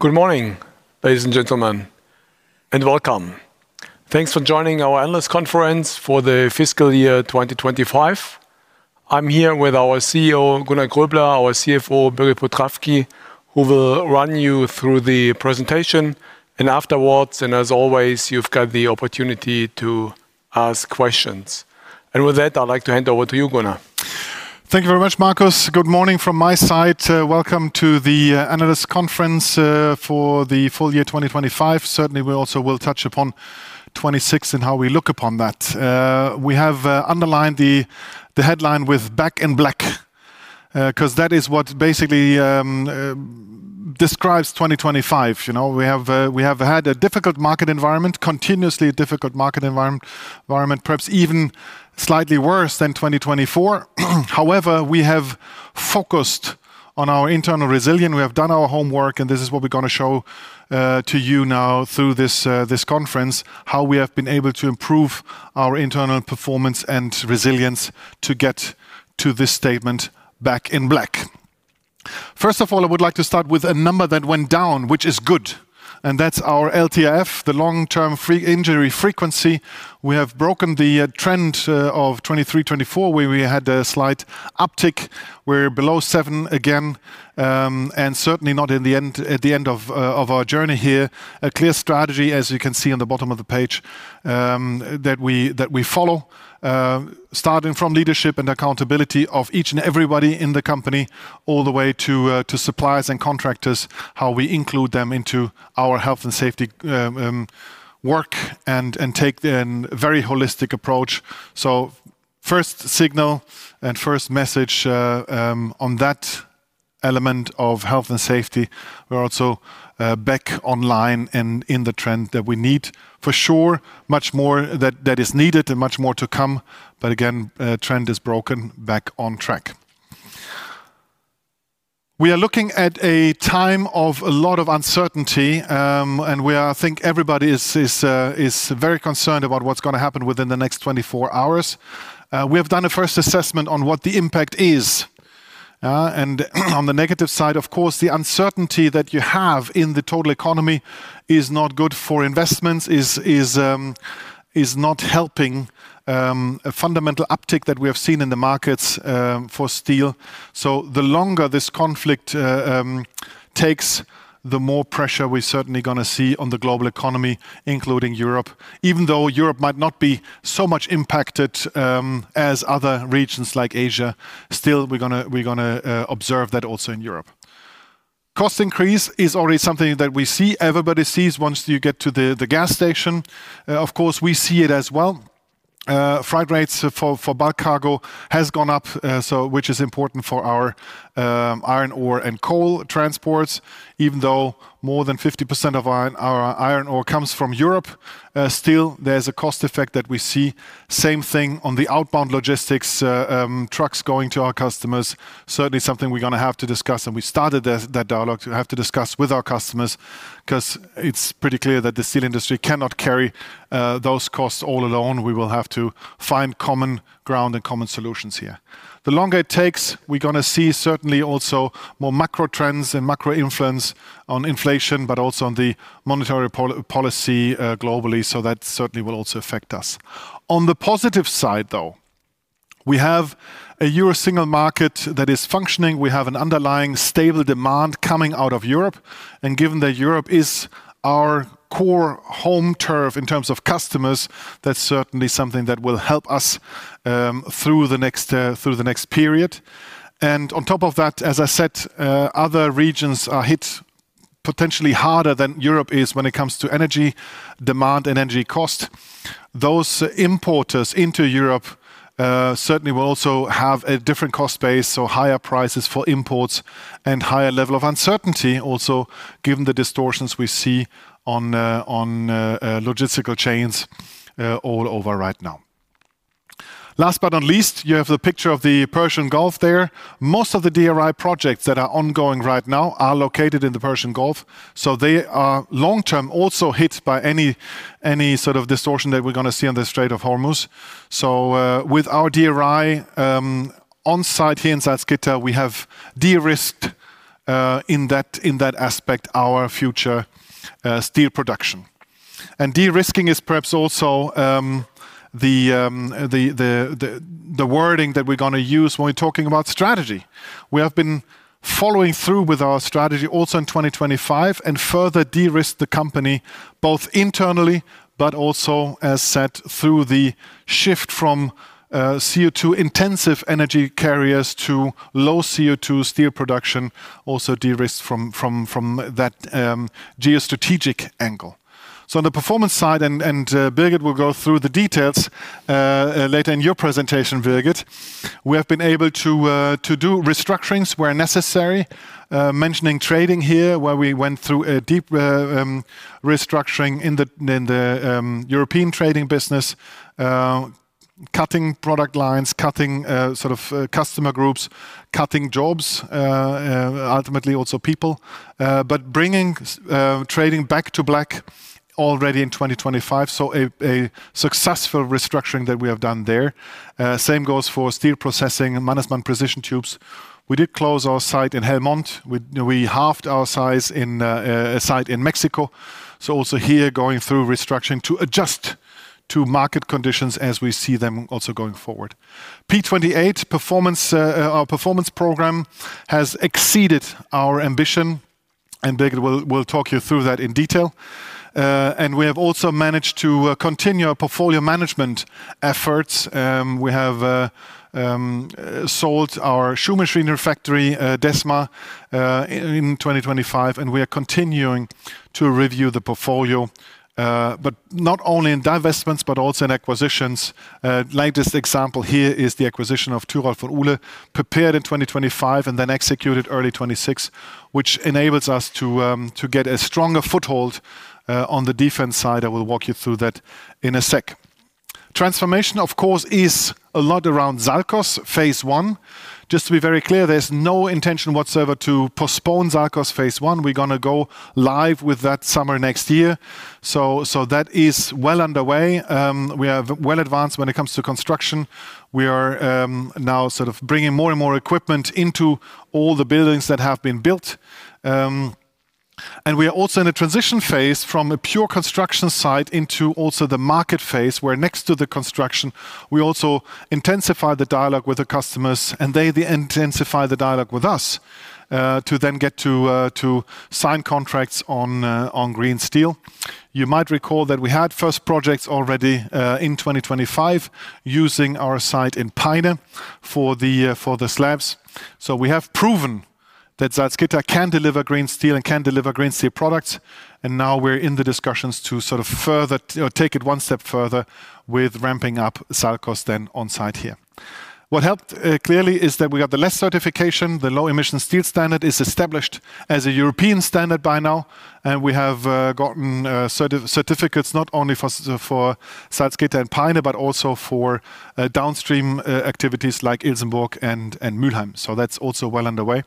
Good morning, ladies and gentlemen, and welcome. Thanks for joining our analyst conference for the fiscal year 2025. I'm here with our CEO, Gunnar Gröbler, our CFO, Birgit Potrafki, who will run you through the presentation. Afterwards, and as always, you've got the opportunity to ask questions. With that, I'd like to hand over to you, Gunnar. Thank you very much, Markus. Good morning from my side. Welcome to the analyst conference for the full year 2025. Certainly, we also will touch upon 2026 and how we look upon that. We have underlined the headline with back in black, 'cause that is what basically describes 2025, you know. We have had a difficult market environment, continuously difficult market environment, perhaps even slightly worse than 2024. However, we have focused on our internal resilience. We have done our homework, and this is what we're gonna show to you now through this conference, how we have been able to improve our internal performance and resilience to get to this statement back in black. First of all, I would like to start with a number that went down, which is good, and that's our LTIF, the Lost Time Injury Frequency. We have broken the trend of 2023, 2024, where we had a slight uptick. We're below seven again, and certainly not at the end of our journey here. A clear strategy, as you can see on the bottom of the page, that we follow, starting from leadership and accountability of each and everybody in the company all the way to suppliers and contractors, how we include them into our health and safety work and take a very holistic approach. First signal and first message on that element of health and safety. We're also back online and in the trend that we need. For sure, much more that is needed and much more to come. Again, trend is broken back on track. We are looking at a time of a lot of uncertainty, and we think everybody is very concerned about what's gonna happen within the next 24 hours. We have done a first assessment on what the impact is, and on the negative side, of course, the uncertainty that you have in the total economy is not good for investments, is not helping a fundamental uptick that we have seen in the markets for steel. The longer this conflict takes, the more pressure we're certainly gonna see on the global economy, including Europe. Even though Europe might not be so much impacted as other regions like Asia, still we're gonna observe that also in Europe. Cost increase is already something that we see. Everybody sees once you get to the gas station. Of course, we see it as well. Freight rates for bulk cargo has gone up, so which is important for our iron ore and coal transports. Even though more than 50% of our iron ore comes from Europe, still there's a cost effect that we see. Same thing on the outbound logistics, trucks going to our customers. Certainly something we're gonna have to discuss, and we started that dialogue to have to discuss with our customers 'cause it's pretty clear that the steel industry cannot carry those costs all alone. We will have to find common ground and common solutions here. The longer it takes, we're gonna see certainly also more macro trends and macro influence on inflation, but also on the monetary policy, globally, so that certainly will also affect us. On the positive side, though, we have a Euro single market that is functioning. We have an underlying stable demand coming out of Europe, and given that Europe is our core home turf in terms of customers, that's certainly something that will help us through the next period. On top of that, as I said, other regions are hit potentially harder than Europe is when it comes to energy demand and energy cost. Those importers into Europe certainly will also have a different cost base, so higher prices for imports and higher level of uncertainty also, given the distortions we see on logistical chains all over right now. Last but not least, you have the picture of the Persian Gulf there. Most of the DRI projects that are ongoing right now are located in the Persian Gulf, so they are long-term also hit by any sort of distortion that we're gonna see on the Strait of Hormuz. With our DRI on site here in Salzgitter, we have de-risked in that aspect our future steel production. De-risking is perhaps also the wording that we're gonna use when we're talking about strategy. We have been following through with our strategy also in 2025 and further de-risk the company, both internally but also as asset through the shift from CO2-intensive energy carriers to low CO2 steel production also de-risked from that geostrategic angle. On the performance side, Birgit will go through the details later in your presentation, Birgit. We have been able to do restructurings where necessary, mentioning trading here, where we went through a deep restructuring in the European trading business, cutting product lines, cutting sort of customer groups, cutting jobs, ultimately also people. But bringing trading back to black already in 2025. A successful restructuring that we have done there. Same goes for steel processing and Mannesmann Precision Tubes. We did close our site in Helmond. We halved our size in a site in Mexico. Also here going through restructuring to adjust to market conditions as we see them also going forward. P28 performance, our performance program has exceeded our ambition, and Birgit will talk you through that in detail. We have also managed to continue our portfolio management efforts. We have sold our shoe machinery factory, DESMA, in 2025, and we are continuing to review the portfolio. Not only in divestments, but also in acquisitions. Latest example here is the acquisition of Thyrolf & Uhle, prepared in 2025 and then executed early 2026, which enables us to get a stronger foothold on the defense side. I will walk you through that in a sec. Transformation, of course, is a lot around SALCOS phase one. Just to be very clear, there's no intention whatsoever to postpone SALCOS phase one. We're gonna go live with that summer next year. That is well underway. We are well advanced when it comes to construction. We are now sort of bringing more and more equipment into all the buildings that have been built. We are also in a transition phase from a pure construction site into also the market phase, where next to the construction, we also intensify the dialogue with the customers and they intensify the dialogue with us to then get to sign contracts on green steel. You might recall that we had first projects already in 2025 using our site in Peine for the slabs. We have proven that Salzgitter can deliver green steel and can deliver green steel products, and now we're in the discussions to sort of further, you know, take it one step further with ramping up SALCOS then on site here. What helped clearly is that we got the LESS certification, the Low Emission Steel Standard is established as a European standard by now, and we have gotten certificates not only for Salzgitter and Peine, but also for downstream activities like Ilsenburg and Mühlheim. That's also well underway.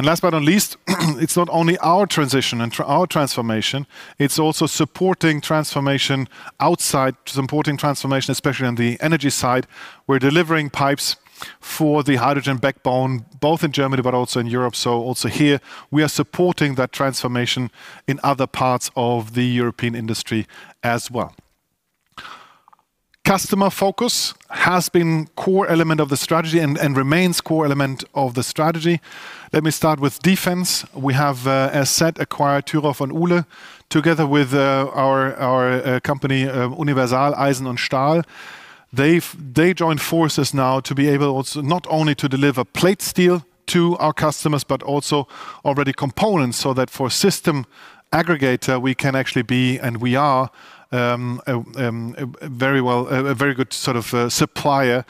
Last but not least, it's not only our transition and our transformation, it's also supporting transformation outside, supporting transformation, especially on the energy side. We're delivering pipes for the hydrogen backbone, both in Germany but also in Europe. Also here we are supporting that transformation in other parts of the European industry as well. Customer focus has been core element of the strategy and remains core element of the strategy. Let me start with defense. We have, as said, acquired Thyrolf & Uhle together with our company Universal Eisen und Stahl. They joined forces now to be able also not only to deliver plate steel to our customers, but also already components, so that for system integrator we can actually be, and we are, a very good sort of supplier.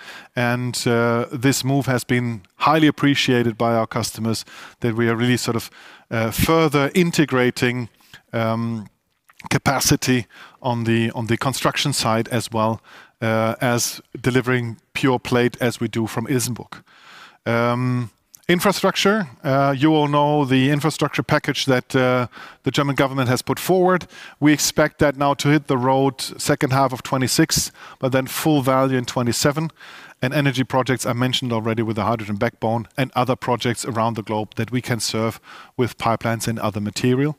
this move has been highly appreciated by our customers that we are really sort of further integrating capacity on the construction side as well as delivering pure plate as we do from Ilsenburg. Infrastructure, you all know the infrastructure package that the German government has put forward. We expect that now to hit the road second half of 2026, but then full value in 2027. Energy projects I mentioned already with the hydrogen backbone and other projects around the globe that we can serve with pipelines and other material.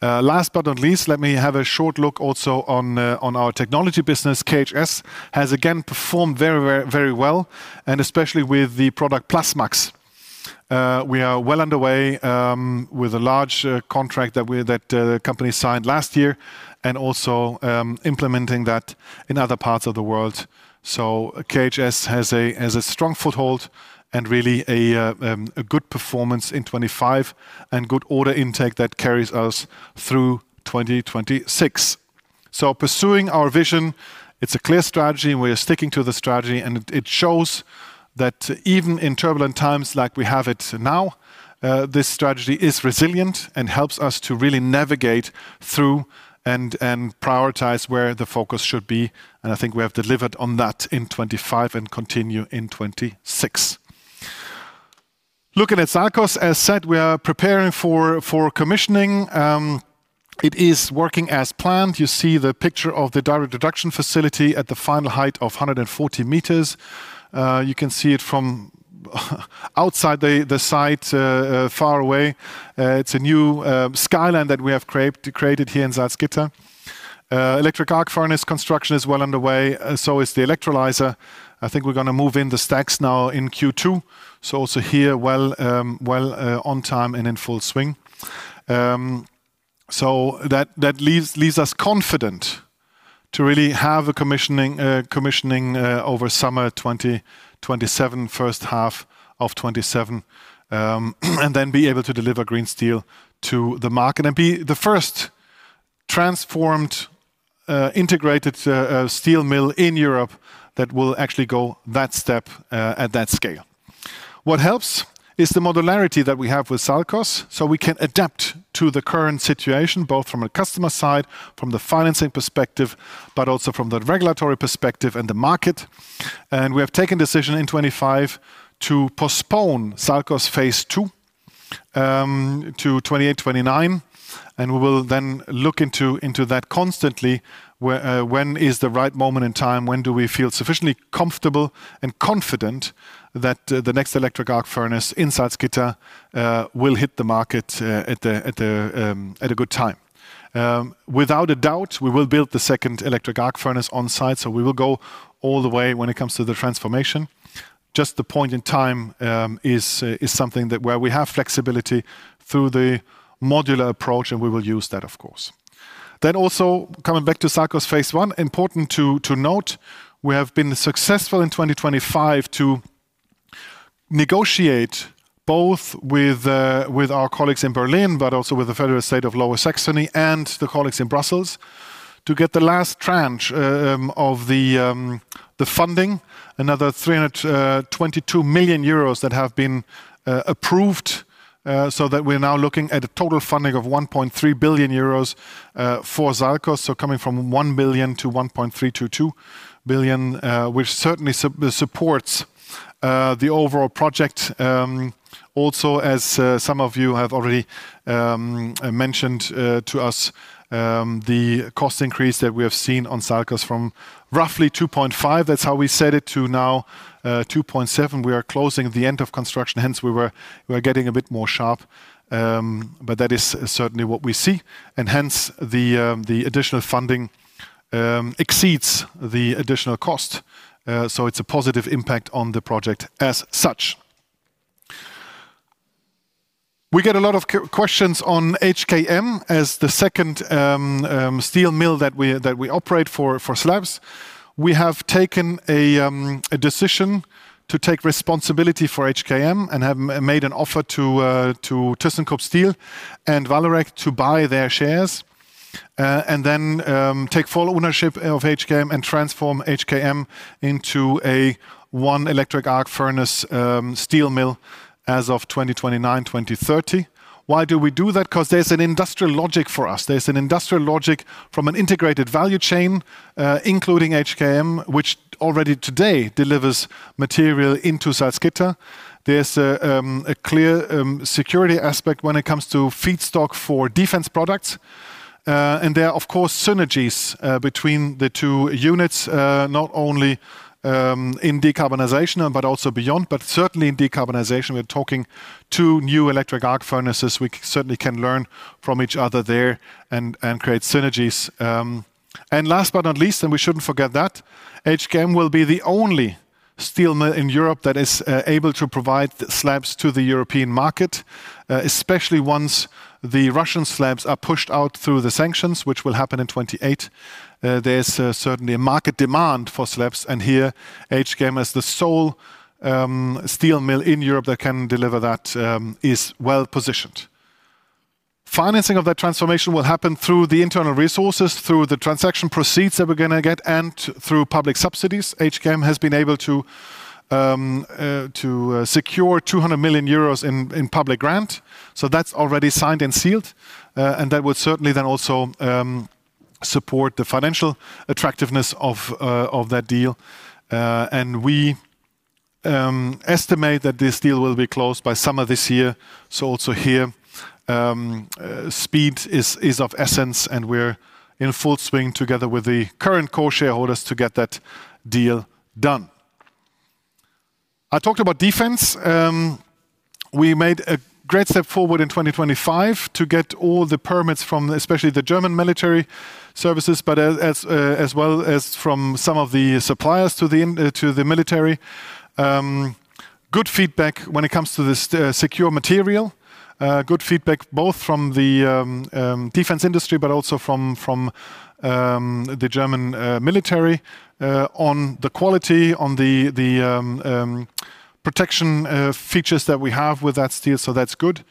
Last but not least, let me have a short look also on our technology business. KHS has again performed very well, and especially with the product Plasmax. We are well underway with a large contract that the company signed last year and also implementing that in other parts of the world. KHS has a strong foothold and really a good performance in 2025 and good order intake that carries us through 2026. Pursuing our vision, it's a clear strategy and we are sticking to the strategy and it shows that even in turbulent times like we have it now, this strategy is resilient and helps us to really navigate through and prioritize where the focus should be. I think we have delivered on that in 2025 and continue in 2026. Looking at SALCOS, as said, we are preparing for commissioning. It is working as planned. You see the picture of the direct reduction facility at the final height of 140 meters. You can see it from outside the site far away. It's a new skyline that we have created here in Salzgitter. Electric arc furnace construction is well underway, so is the electrolyzer. I think we're gonna move in the stacks now in Q2. Also here, on time and in full swing. That leaves us confident to really have a commissioning over summer 2027, first half of 2027, and then be able to deliver green steel to the market and be the first transformed integrated steel mill in Europe that will actually go that step at that scale. What helps is the modularity that we have with SALCOS, so we can adapt to the current situation, both from a customer side, from the financing perspective, but also from the regulatory perspective and the market. We have taken decision in 2025 to postpone SALCOS phase II to 2029, and we will then look into that constantly where when is the right moment in time, when do we feel sufficiently comfortable and confident that the next electric arc furnace in Salzgitter will hit the market at a good time. Without a doubt, we will build the second electric arc furnace on site, so we will go all the way when it comes to the transformation. Just the point in time is something that where we have flexibility through the modular approach, and we will use that, of course. Also coming back to SALCOS phase one, important to note, we have been successful in 2025 to negotiate both with our colleagues in Berlin, but also with the federal state of Lower Saxony and the colleagues in Brussels to get the last tranche of the funding, another 322 million euros that have been approved, so that we're now looking at a total funding of 1.3 billion euros for SALCOS. Coming from 1 billion to 1.322 billion, which certainly supports the overall project. Also as some of you have already mentioned to us, the cost increase that we have seen on SALCOS from roughly 2.5, that's how we set it to now 2.7. We are closing the end of construction, hence we are getting a bit more sharp, but that is certainly what we see. Hence the additional funding exceeds the additional cost. It's a positive impact on the project as such. We get a lot of questions on HKM as the second steel mill that we operate for slabs. We have taken a decision to take responsibility for HKM and have made an offer to thyssenkrupp Steel and Vallourec to buy their shares, and then take full ownership of HKM and transform HKM into a one electric arc furnace steel mill as of 2029-2030. Why do we do that? 'Cause there's an industrial logic for us. There's an industrial logic from an integrated value chain, including HKM, which already today delivers material into Salzgitter. There's a clear security aspect when it comes to feedstock for defense products. There are, of course, synergies between the two units, not only in decarbonization but also beyond, but certainly in decarbonization, we're talking two new electric arc furnaces. We certainly can learn from each other there and create synergies. Last but not least, we shouldn't forget that HKM will be the only steel mill in Europe that is able to provide slabs to the European market, especially once the Russian slabs are pushed out through the sanctions, which will happen in 2028. There's certainly a market demand for slabs, and here HKM as the sole steel mill in Europe that can deliver that is well positioned. Financing of that transformation will happen through the internal resources, through the transaction proceeds that we're gonna get, and through public subsidies. HKM has been able to secure 200 million euros in public grant, so that's already signed and sealed. That would certainly then also support the financial attractiveness of that deal. We estimate that this deal will be closed by summer this year. Also here speed is of essence, and we're in full swing together with the current core shareholders to get that deal done. I talked about defense. We made a great step forward in 2025 to get all the permits from especially the German military services, as well as from some of the suppliers to the military. Good feedback when it comes to the secure material. Good feedback both from the defense industry, but also from the German military on the quality, on the protection features that we have with that steel, so that's good.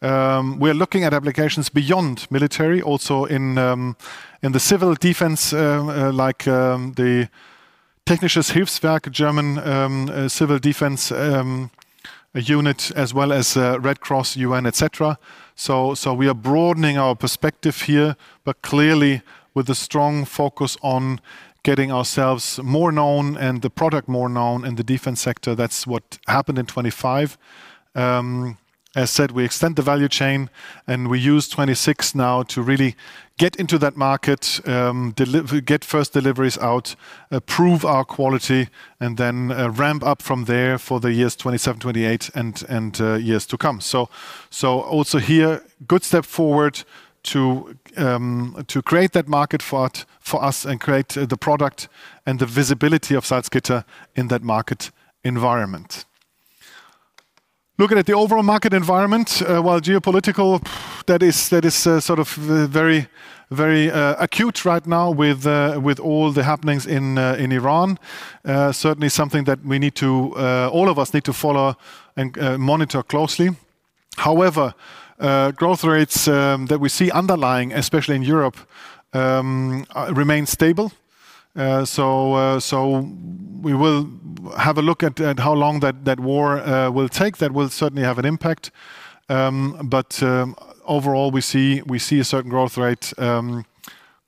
We're looking at applications beyond military, also in the civil defense, like the Technisches Hilfswerk, German civil defense unit as well as Red Cross, UN, et cetera. We are broadening our perspective here, but clearly with a strong focus on getting ourselves more known and the product more known in the defense sector. That's what happened in 2025. As said, we extend the value chain, and we use 2026 now to really get into that market, get first deliveries out, prove our quality, and then ramp up from there for the years 2027, 2028 and years to come. Also here, good step forward to create that market for us and create the product and the visibility of Salzgitter in that market environment. Looking at the overall market environment, while geopolitical, that is sort of very acute right now with all the happenings in Iran. Certainly something that we all need to follow and monitor closely. However, growth rates that we see underlying, especially in Europe, remain stable. We will have a look at how long that war will take. That will certainly have an impact. Overall, we see a certain growth rate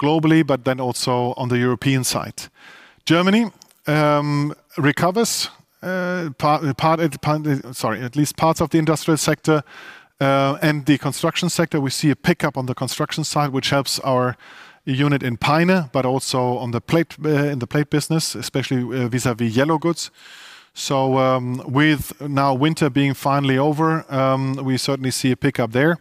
globally, but then also on the European side. Germany recovers post-pandemic, at least parts of the industrial sector and the construction sector. We see a pickup on the construction side, which helps our unit in Peine, but also on the plate, in the plate business, especially vis-à-vis yellow goods. With winter now being finally over, we certainly see a pickup there.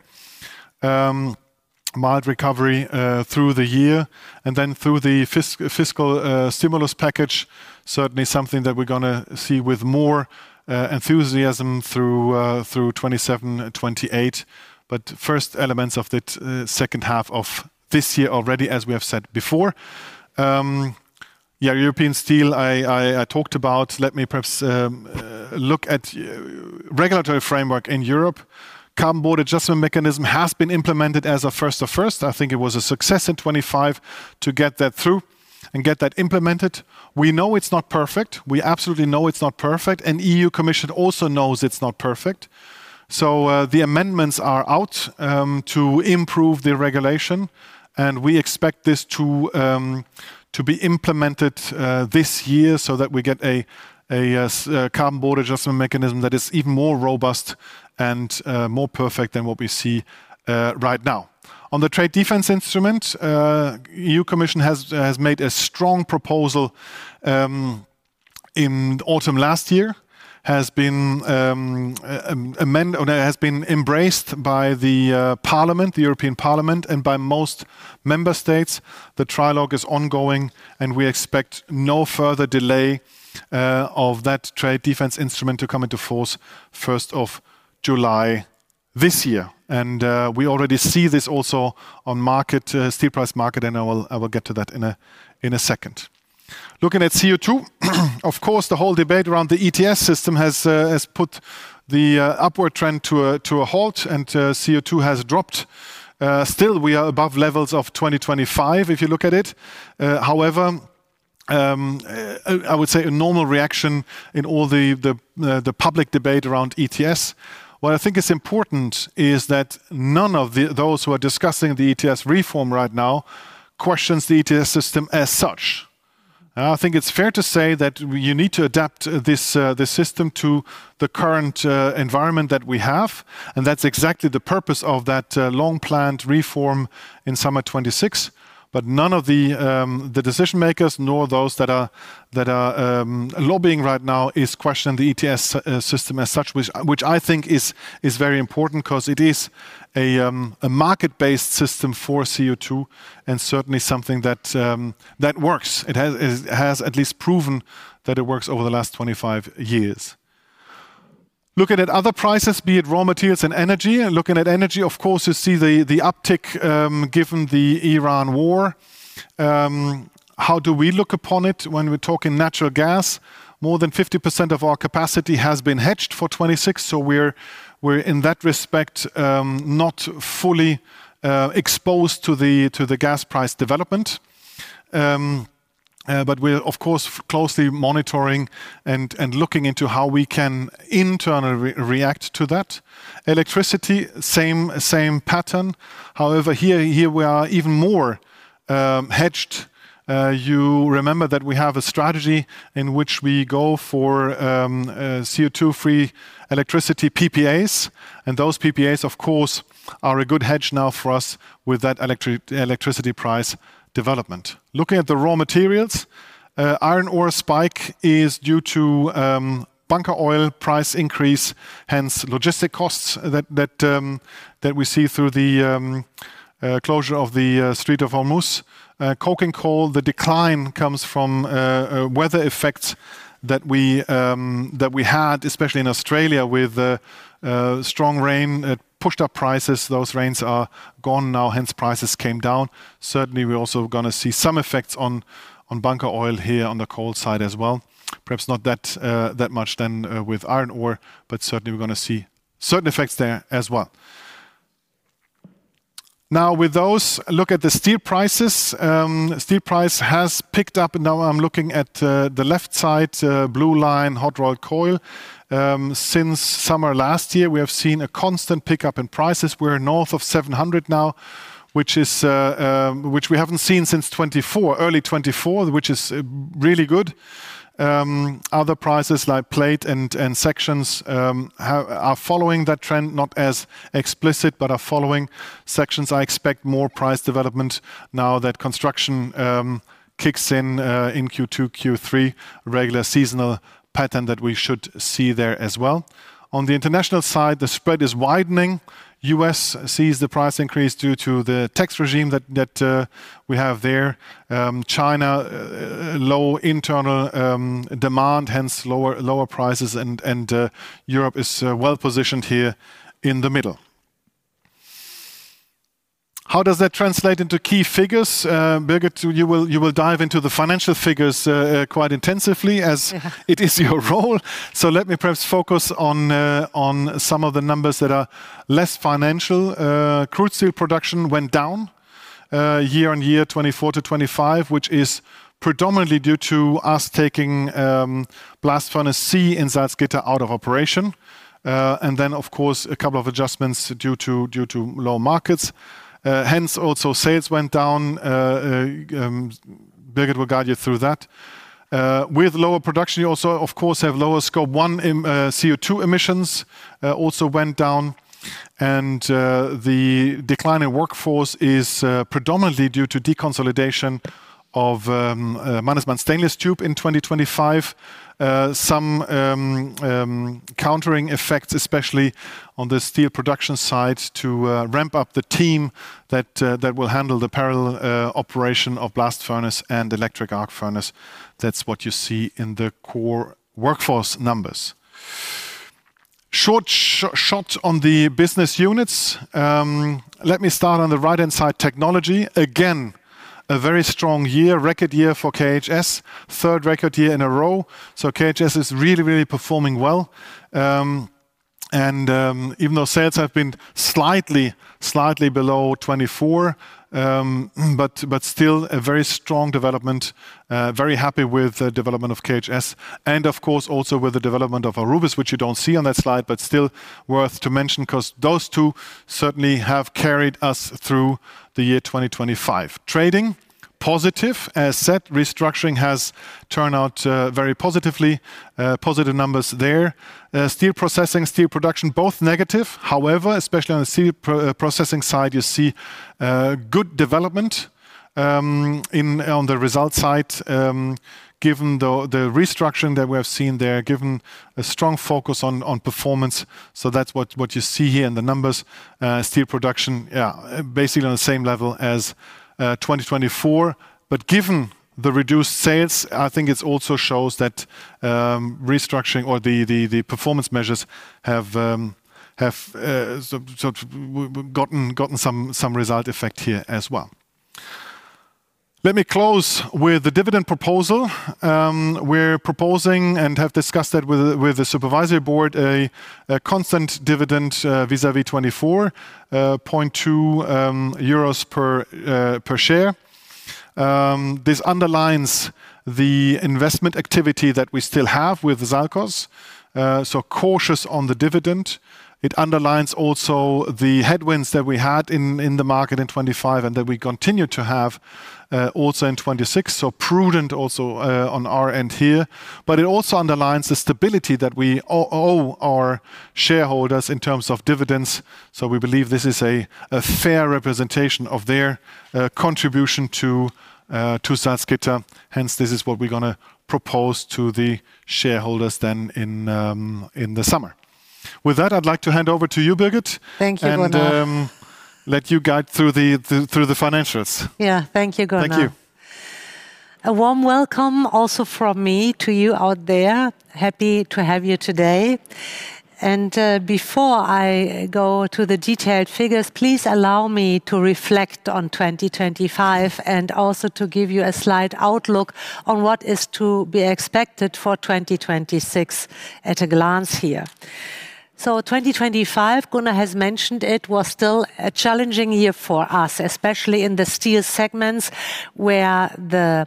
Mild recovery through the year and then through the fiscal stimulus package, certainly something that we're gonna see with more enthusiasm through 2027, 2028. First elements of the second half of this year already, as we have said before. Yeah, European steel, I talked about. Let me perhaps look at regulatory framework in Europe. Carbon Border Adjustment Mechanism has been implemented as of 1 January. I think it was a success in 2025 to get that through and get that implemented. We know it's not perfect. We absolutely know it's not perfect, and EU Commission also knows it's not perfect. The amendments are out to improve the regulation, and we expect this to be implemented this year so that we get a Carbon Border Adjustment Mechanism that is even more robust and more perfect than what we see right now. On the Trade Defence Instrument, the European Commission has made a strong proposal in autumn last year. It has been embraced by the parliament, the European Parliament, and by most member states. The trialogue is ongoing, and we expect no further delay of that Trade Defence Instrument to come into force first of July this year. We already see this also on market steel price market, and I will get to that in a second. Looking at CO2, of course, the whole debate around the ETS system has put the upward trend to a halt, and CO2 has dropped. Still we are above levels of 2025 if you look at it. However, I would say a normal reaction in all the public debate around ETS. What I think is important is that none of those who are discussing the ETS reform right now questions the ETS system as such. I think it's fair to say that you need to adapt this system to the current environment that we have, and that's exactly the purpose of that long-planned reform in summer 2026. None of the decision-makers nor those that are lobbying right now is questioning the ETS system as such, which I think is very important 'cause it is a market-based system for CO₂, and certainly something that works. It has at least proven that it works over the last 25 years. Looking at other prices, be it raw materials and energy. Looking at energy, of course, you see the uptick given the Ukraine war. How do we look upon it when we're talking natural gas? More than 50% of our capacity has been hedged for 2026, so we're in that respect not fully exposed to the gas price development. We're of course closely monitoring and looking into how we can internally react to that. Electricity, same pattern. However, here we are even more hedged. You remember that we have a strategy in which we go for CO₂-free electricity PPAs, and those PPAs of course are a good hedge now for us with that electricity price development. Looking at the raw materials, iron ore spike is due to bunker oil price increase, hence logistic costs that we see through the closure of the Strait of Hormuz. Coking coal, the decline comes from weather effects that we had, especially in Australia with strong rain. It pushed up prices. Those rains are gone now, hence prices came down. Certainly, we're also gonna see some effects on bunker oil here on the coal side as well. Perhaps not that much then with iron ore, but certainly we're gonna see certain effects there as well. Now with those, look at the steel prices. Steel price has picked up. Now I'm looking at the left side, blue line, hot-rolled coil. Since summer last year, we have seen a constant pickup in prices. We're north of 700 now, which we haven't seen since 2024, early 2024, which is really good. Other prices like plate and sections are following that trend, not as explicitly, but are following sections. I expect more price development now that construction kicks in in Q2, Q3, regular seasonal pattern that we should see there as well. On the international side, the spread is widening. U.S. sees the price increase due to the tax regime we have there. China low internal demand, hence lower prices, and Europe is well positioned here in the middle. How does that translate into key figures? Birgit, you will dive into the financial figures quite intensively as- Yeah. Let me perhaps focus on some of the numbers that are less financial. Crude steel production went down year-on-year 24 to 25, which is predominantly due to us taking Blast Furnace C in Salzgitter out of operation. Then of course, a couple of adjustments due to low markets. Hence also sales went down. Birgit will guide you through that. With lower production, you also of course have lower Scope 1 CO2 emissions also went down, and the decline in workforce is predominantly due to deconsolidation of Mannesmann Stainless Tubes in 2025. Some countering effects, especially on the steel production side to ramp up the team that will handle the parallel operation of blast furnace and electric arc furnace. That's what you see in the core workforce numbers. Short shot on the business units. Let me start on the right-hand side, Technology. Again, a very strong year, record year for KHS, third record year in a row. KHS is really performing well. Even though sales have been slightly below 24, but still a very strong development. Very happy with the development of KHS and of course also with the development of Aurubis, which you don't see on that slide, but still worth to mention 'cause those two certainly have carried us through the year 2025. Trading positive. As said, restructuring has turned out very positively, positive numbers there. Steel processing, steel production, both negative. However, especially on the steel processing side, you see good development on the results side, given the restructuring that we have seen there, given a strong focus on performance, so that's what you see here in the numbers. Steel production, basically on the same level as 2024. Given the reduced sales, I think it also shows that restructuring or the performance measures have gotten some positive effect here as well. Let me close with the dividend proposal. We're proposing and have discussed that with the supervisory board a constant dividend vis-à-vis 2024, 0.2 euros per share. This underlines the investment activity that we still have with SALCOS, so cautious on the dividend. It underlines also the headwinds that we had in the market in 2025 and that we continue to have also in 2026, so prudent also on our end here. It also underlines the stability that we owe our shareholders in terms of dividends, so we believe this is a fair representation of their contribution to Salzgitter, hence this is what we're gonna propose to the shareholders then in the summer. With that, I'd like to hand over to you, Birgit. Thank you, Gunnar. Let you guide through the financials. Yeah. Thank you, Gunnar. Thank you. A warm welcome also from me to you out there. Happy to have you today. Before I go to the detailed figures, please allow me to reflect on 2025 and also to give you a slight outlook on what is to be expected for 2026 at a glance here. 2025, Gunnar has mentioned it, was still a challenging year for us, especially in the steel segments, where the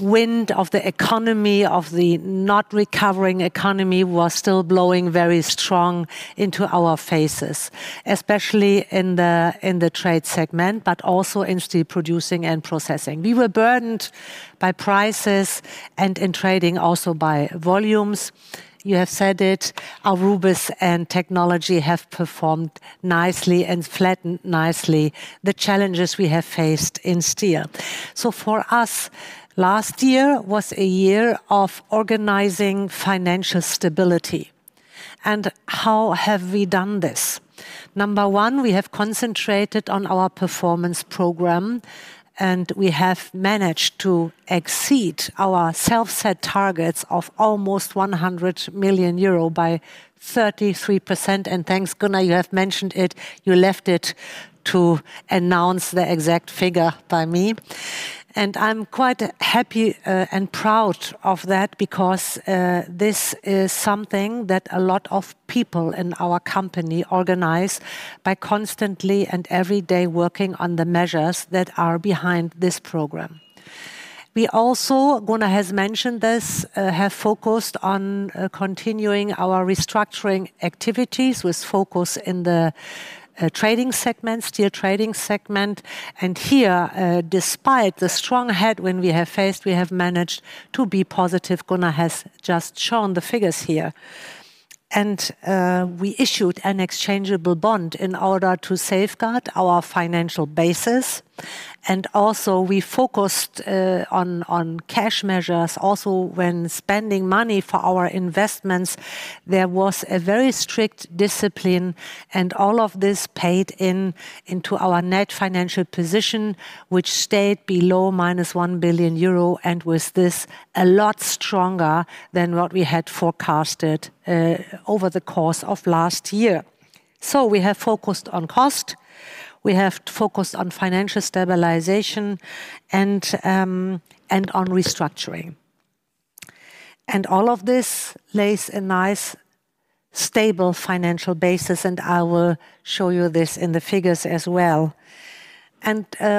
wind of the economy, of the not recovering economy was still blowing very strong into our faces, especially in the trade segment, but also in steel producing and processing. We were burdened by prices and in trading also by volumes. You have said it, Aurubis and Technology have performed nicely and flattened nicely the challenges we have faced in steel. For us, last year was a year of organizing financial stability. How have we done this? Number 1, we have concentrated on our performance program, and we have managed to exceed our self-set targets of almost 100 million euro by 33%. Thanks, Gunnar, you have mentioned it. You left it to announce the exact figure by me. I'm quite happy and proud of that because this is something that a lot of people in our company organize by constantly and every day working on the measures that are behind this program. We also, Gunnar has mentioned this, have focused on continuing our restructuring activities with focus in the trading segment, steel trading segment. Here, despite the strong headwind we have faced, we have managed to be positive. Gunnar has just shown the figures here. We issued an exchangeable bond in order to safeguard our financial basis. We focused on cash measures. Also when spending money for our investments, there was a very strict discipline, and all of this paid into our net financial position, which stayed below -1 billion euro and was thus a lot stronger than what we had forecasted over the course of last year. We have focused on cost, we have focused on financial stabilization and on restructuring. All of this lays a nice, stable financial basis, and I will show you this in the figures as well.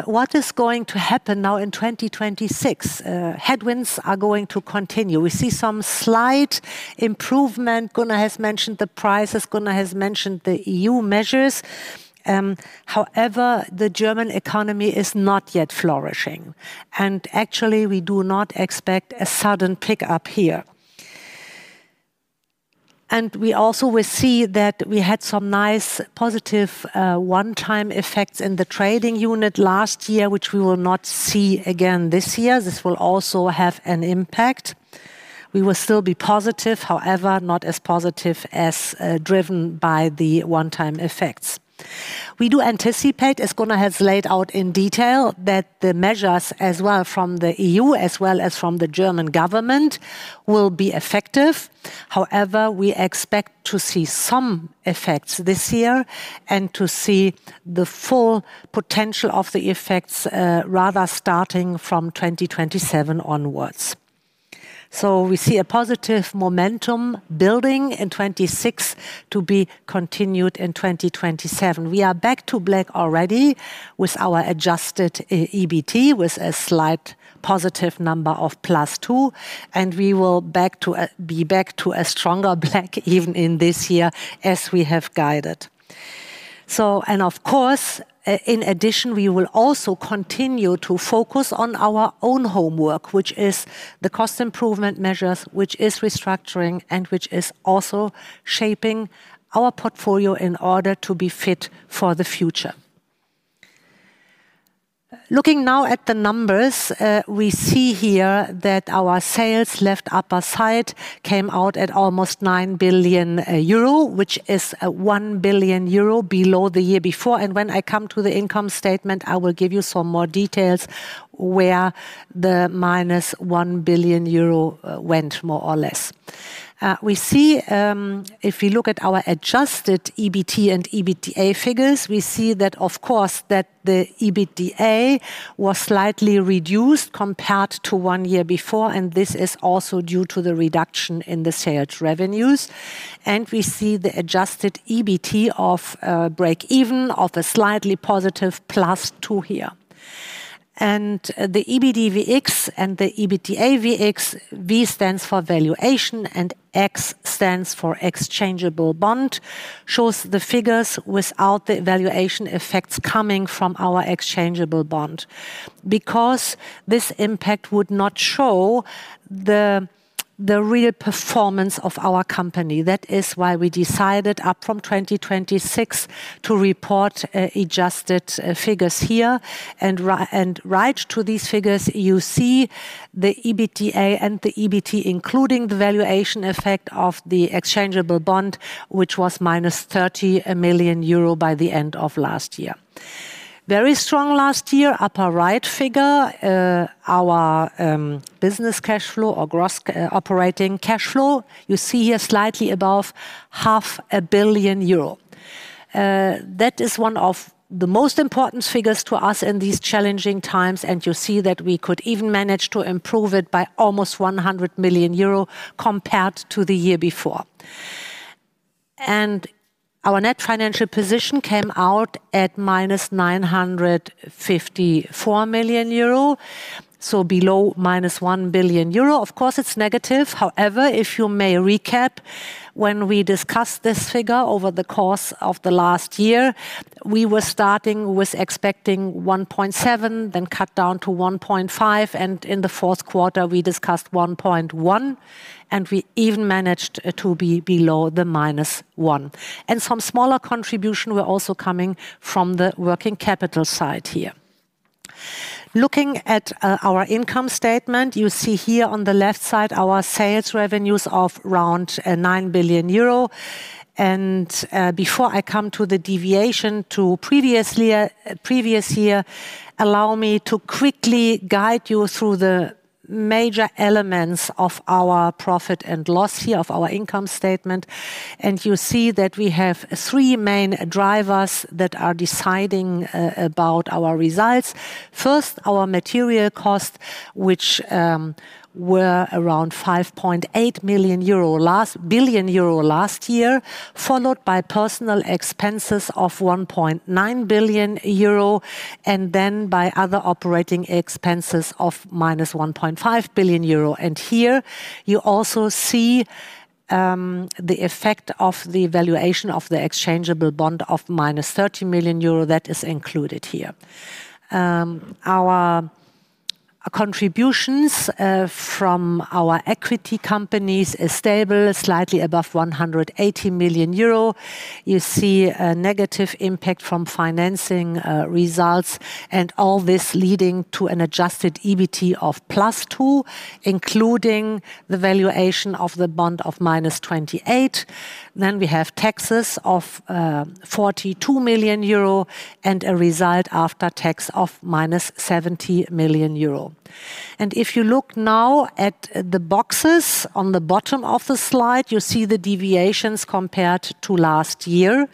What is going to happen now in 2026? Headwinds are going to continue. We see some slight improvement. Gunnar has mentioned the prices. Gunnar has mentioned the EU measures. However, the German economy is not yet flourishing, and actually, we do not expect a sudden pickup here. We also will see that we had some nice positive one-time effects in the trading unit last year, which we will not see again this year. This will also have an impact. We will still be positive, however, not as positive as driven by the one-time effects. We do anticipate, as Gunnar has laid out in detail, that the measures as well from the EU as well as from the German government will be effective. However, we expect to see some effects this year and to see the full potential of the effects rather starting from 2027 onwards. We see a positive momentum building in 2026 to be continued in 2027. We are back to black already with our adjusted EBT, with a slight positive number of +2, and we will be back to a stronger black even in this year as we have guided. Of course, in addition, we will also continue to focus on our own homework, which is the cost improvement measures, which is restructuring, and which is also shaping our portfolio in order to be fit for the future. Looking now at the numbers, we see here that our sales left upper side came out at almost 9 billion euro, which is, one billion euro below the year before. When I come to the income statement, I will give you some more details where the -1 billion euro went, more or less. We see, if you look at our adjusted EBT and EBITDA figures, we see that of course the EBITDA was slightly reduced compared to one year before, and this is also due to the reduction in the sales revenues. We see the adjusted EBT of a break-even of a slightly positive +2 here. The EBITDA VX and the EBT VX, V stands for valuation and X stands for exchangeable bond, show the figures without the valuation effects coming from our exchangeable bond. Because this impact would not show the real performance of our company. That is why we decided up from 2026 to report adjusted figures here. Right to these figures, you see the EBITDA and the EBT, including the valuation effect of the exchangeable bond, which was -30 million euro by the end of last year. Very strong last year, upper right figure, our business cash flow or gross operating cash flow you see here slightly above half a billion EUR. That is one of the most important figures to us in these challenging times, and you see that we could even manage to improve it by almost 100 million euro compared to the year before. Our net financial position came out at -954 million euro, so below -1 billion euro. Of course, it's negative. However, if you may recap, when we discussed this figure over the course of the last year, we were starting with expecting 1.7 billion EUR, then cut down to 1.5 billion EUR, and in the fourth quarter we discussed 1.1 billion EUR, and we even managed to be below the -1 billion EUR. Some smaller contribution were also coming from the working capital side here. Looking at our income statement, you see here on the left side our sales revenues of around 9 billion euro. Before I come to the deviation to previous year, allow me to quickly guide you through the major elements of our profit and loss here, of our income statement. You see that we have three main drivers that are deciding about our results. First, our material costs, which were around 5.8 billion euro last year, followed by personnel expenses of 1.9 billion euro, and then by other operating expenses of -1.5 billion euro. Here you also see the effect of the valuation of the exchangeable bond of -30 million euro that is included here. Our contributions from our equity companies is stable, slightly above 180 million euro. You see a negative impact from financing results, and all this leading to an adjusted EBT of +2, including the valuation of the bond of -28. We have taxes of 42 million euro and a result after tax of -70 million euro. If you look now at the boxes on the bottom of the slide, you see the deviations compared to last year.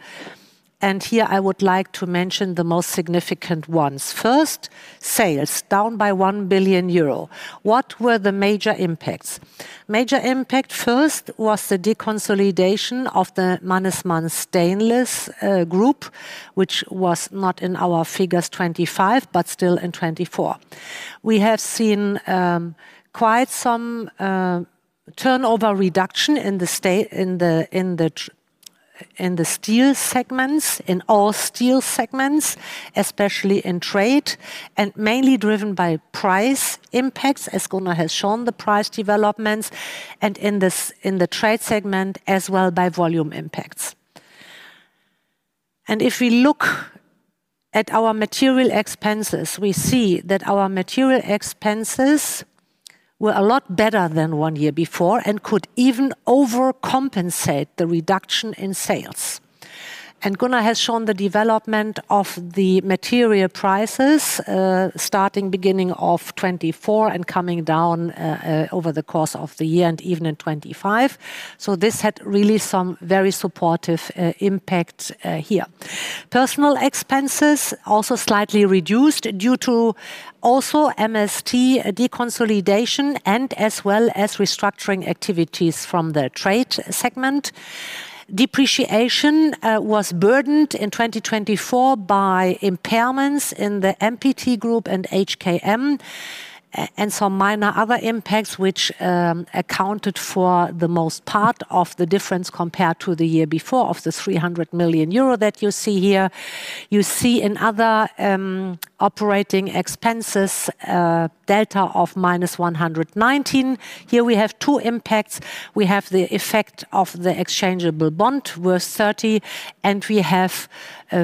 Here I would like to mention the most significant ones. First, sales down by 1 billion euro. What were the major impacts? Major impact first was the deconsolidation of the Mannesmann Stainless Tubes Group, which was not in our figures 2025 but still in 2024. We have seen quite some turnover reduction in the steel segments, in all steel segments, especially in trade, and mainly driven by price impacts, as Gunnar has shown the price developments, and in this, in the trade segment as well by volume impacts. If we look at our material expenses, we see that our material expenses were a lot better than one year before and could even overcompensate the reduction in sales. Gunnar has shown the development of the material prices, starting beginning of 2024 and coming down over the course of the year and even in 2025. This had really some very supportive impact here. Personnel expenses also slightly reduced due to also MST deconsolidation and as well as restructuring activities from the trade segment. Depreciation was burdened in 2024 by impairments in the MPT group and HKM, and some minor other impacts which accounted for the most part of the difference compared to the year before of the 300 million euro that you see here. You see in other operating expenses a delta of -119 million. Here we have two impacts. We have the effect of the exchangeable bond worth 30 million, and we have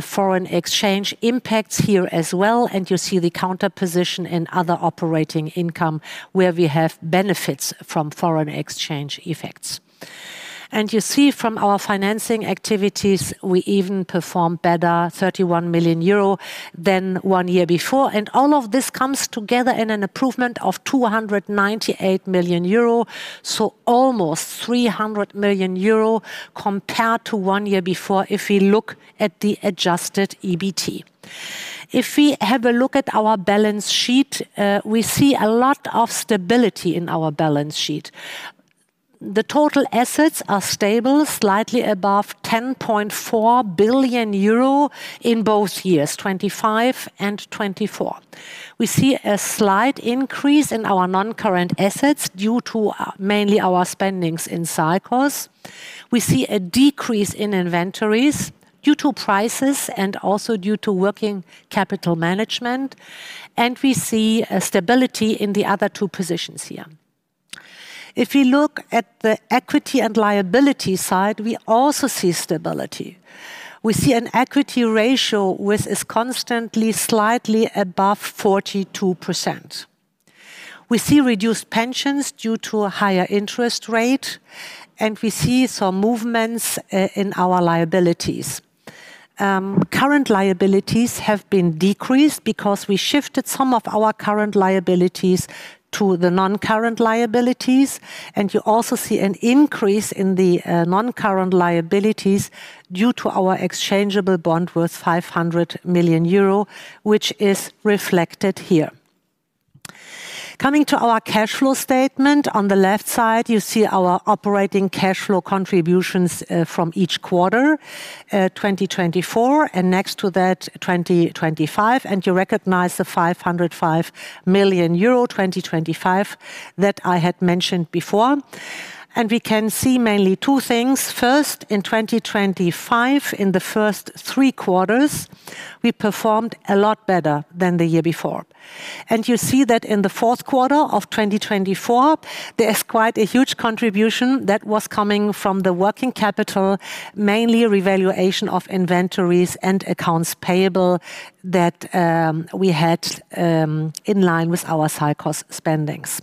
foreign exchange impacts here as well. You see the counter position in other operating income where we have benefits from foreign exchange effects. You see from our financing activities, we even perform better 31 million euro than one year before. All of this comes together in an improvement of 298 million euro, so almost 300 million euro compared to one year before if we look at the adjusted EBT. If we have a look at our balance sheet, we see a lot of stability in our balance sheet. The total assets are stable, slightly above 10.4 billion euro in both years, 2025 and 2024. We see a slight increase in our non-current assets due to mainly our spending in CapEx. We see a decrease in inventories due to prices and also due to working capital management, and we see a stability in the other two positions here. If you look at the equity and liability side, we also see stability. We see an equity ratio which is constantly slightly above 42%. We see reduced pensions due to a higher interest rate, and we see some movements in our liabilities. Current liabilities have been decreased because we shifted some of our current liabilities to the non-current liabilities, and you also see an increase in the non-current liabilities due to our exchangeable bond worth 500 million euro, which is reflected here. Coming to our cash flow statement, on the left side, you see our operating cash flow contributions from each quarter, 2024, and next to that, 2025, and you recognize the 505 million euro, 2025, that I had mentioned before. We can see mainly two things. First, in 2025, in the first three quarters, we performed a lot better than the year before. You see that in the fourth quarter of 2024, there is quite a huge contribution that was coming from the working capital, mainly revaluation of inventories and accounts payable that we had in line with our cycle's spendings.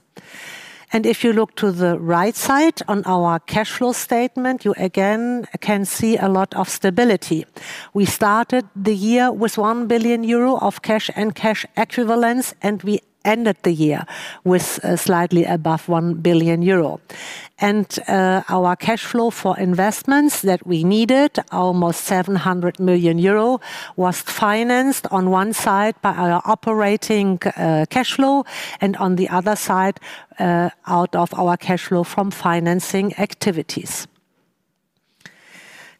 If you look to the right side on our cash flow statement, you again can see a lot of stability. We started the year with 1 billion euro of cash and cash equivalents, and we ended the year with slightly above 1 billion euro. Our cash flow for investments that we needed, almost 700 million euro, was financed on one side by our operating cash flow and on the other side out of our cash flow from financing activities.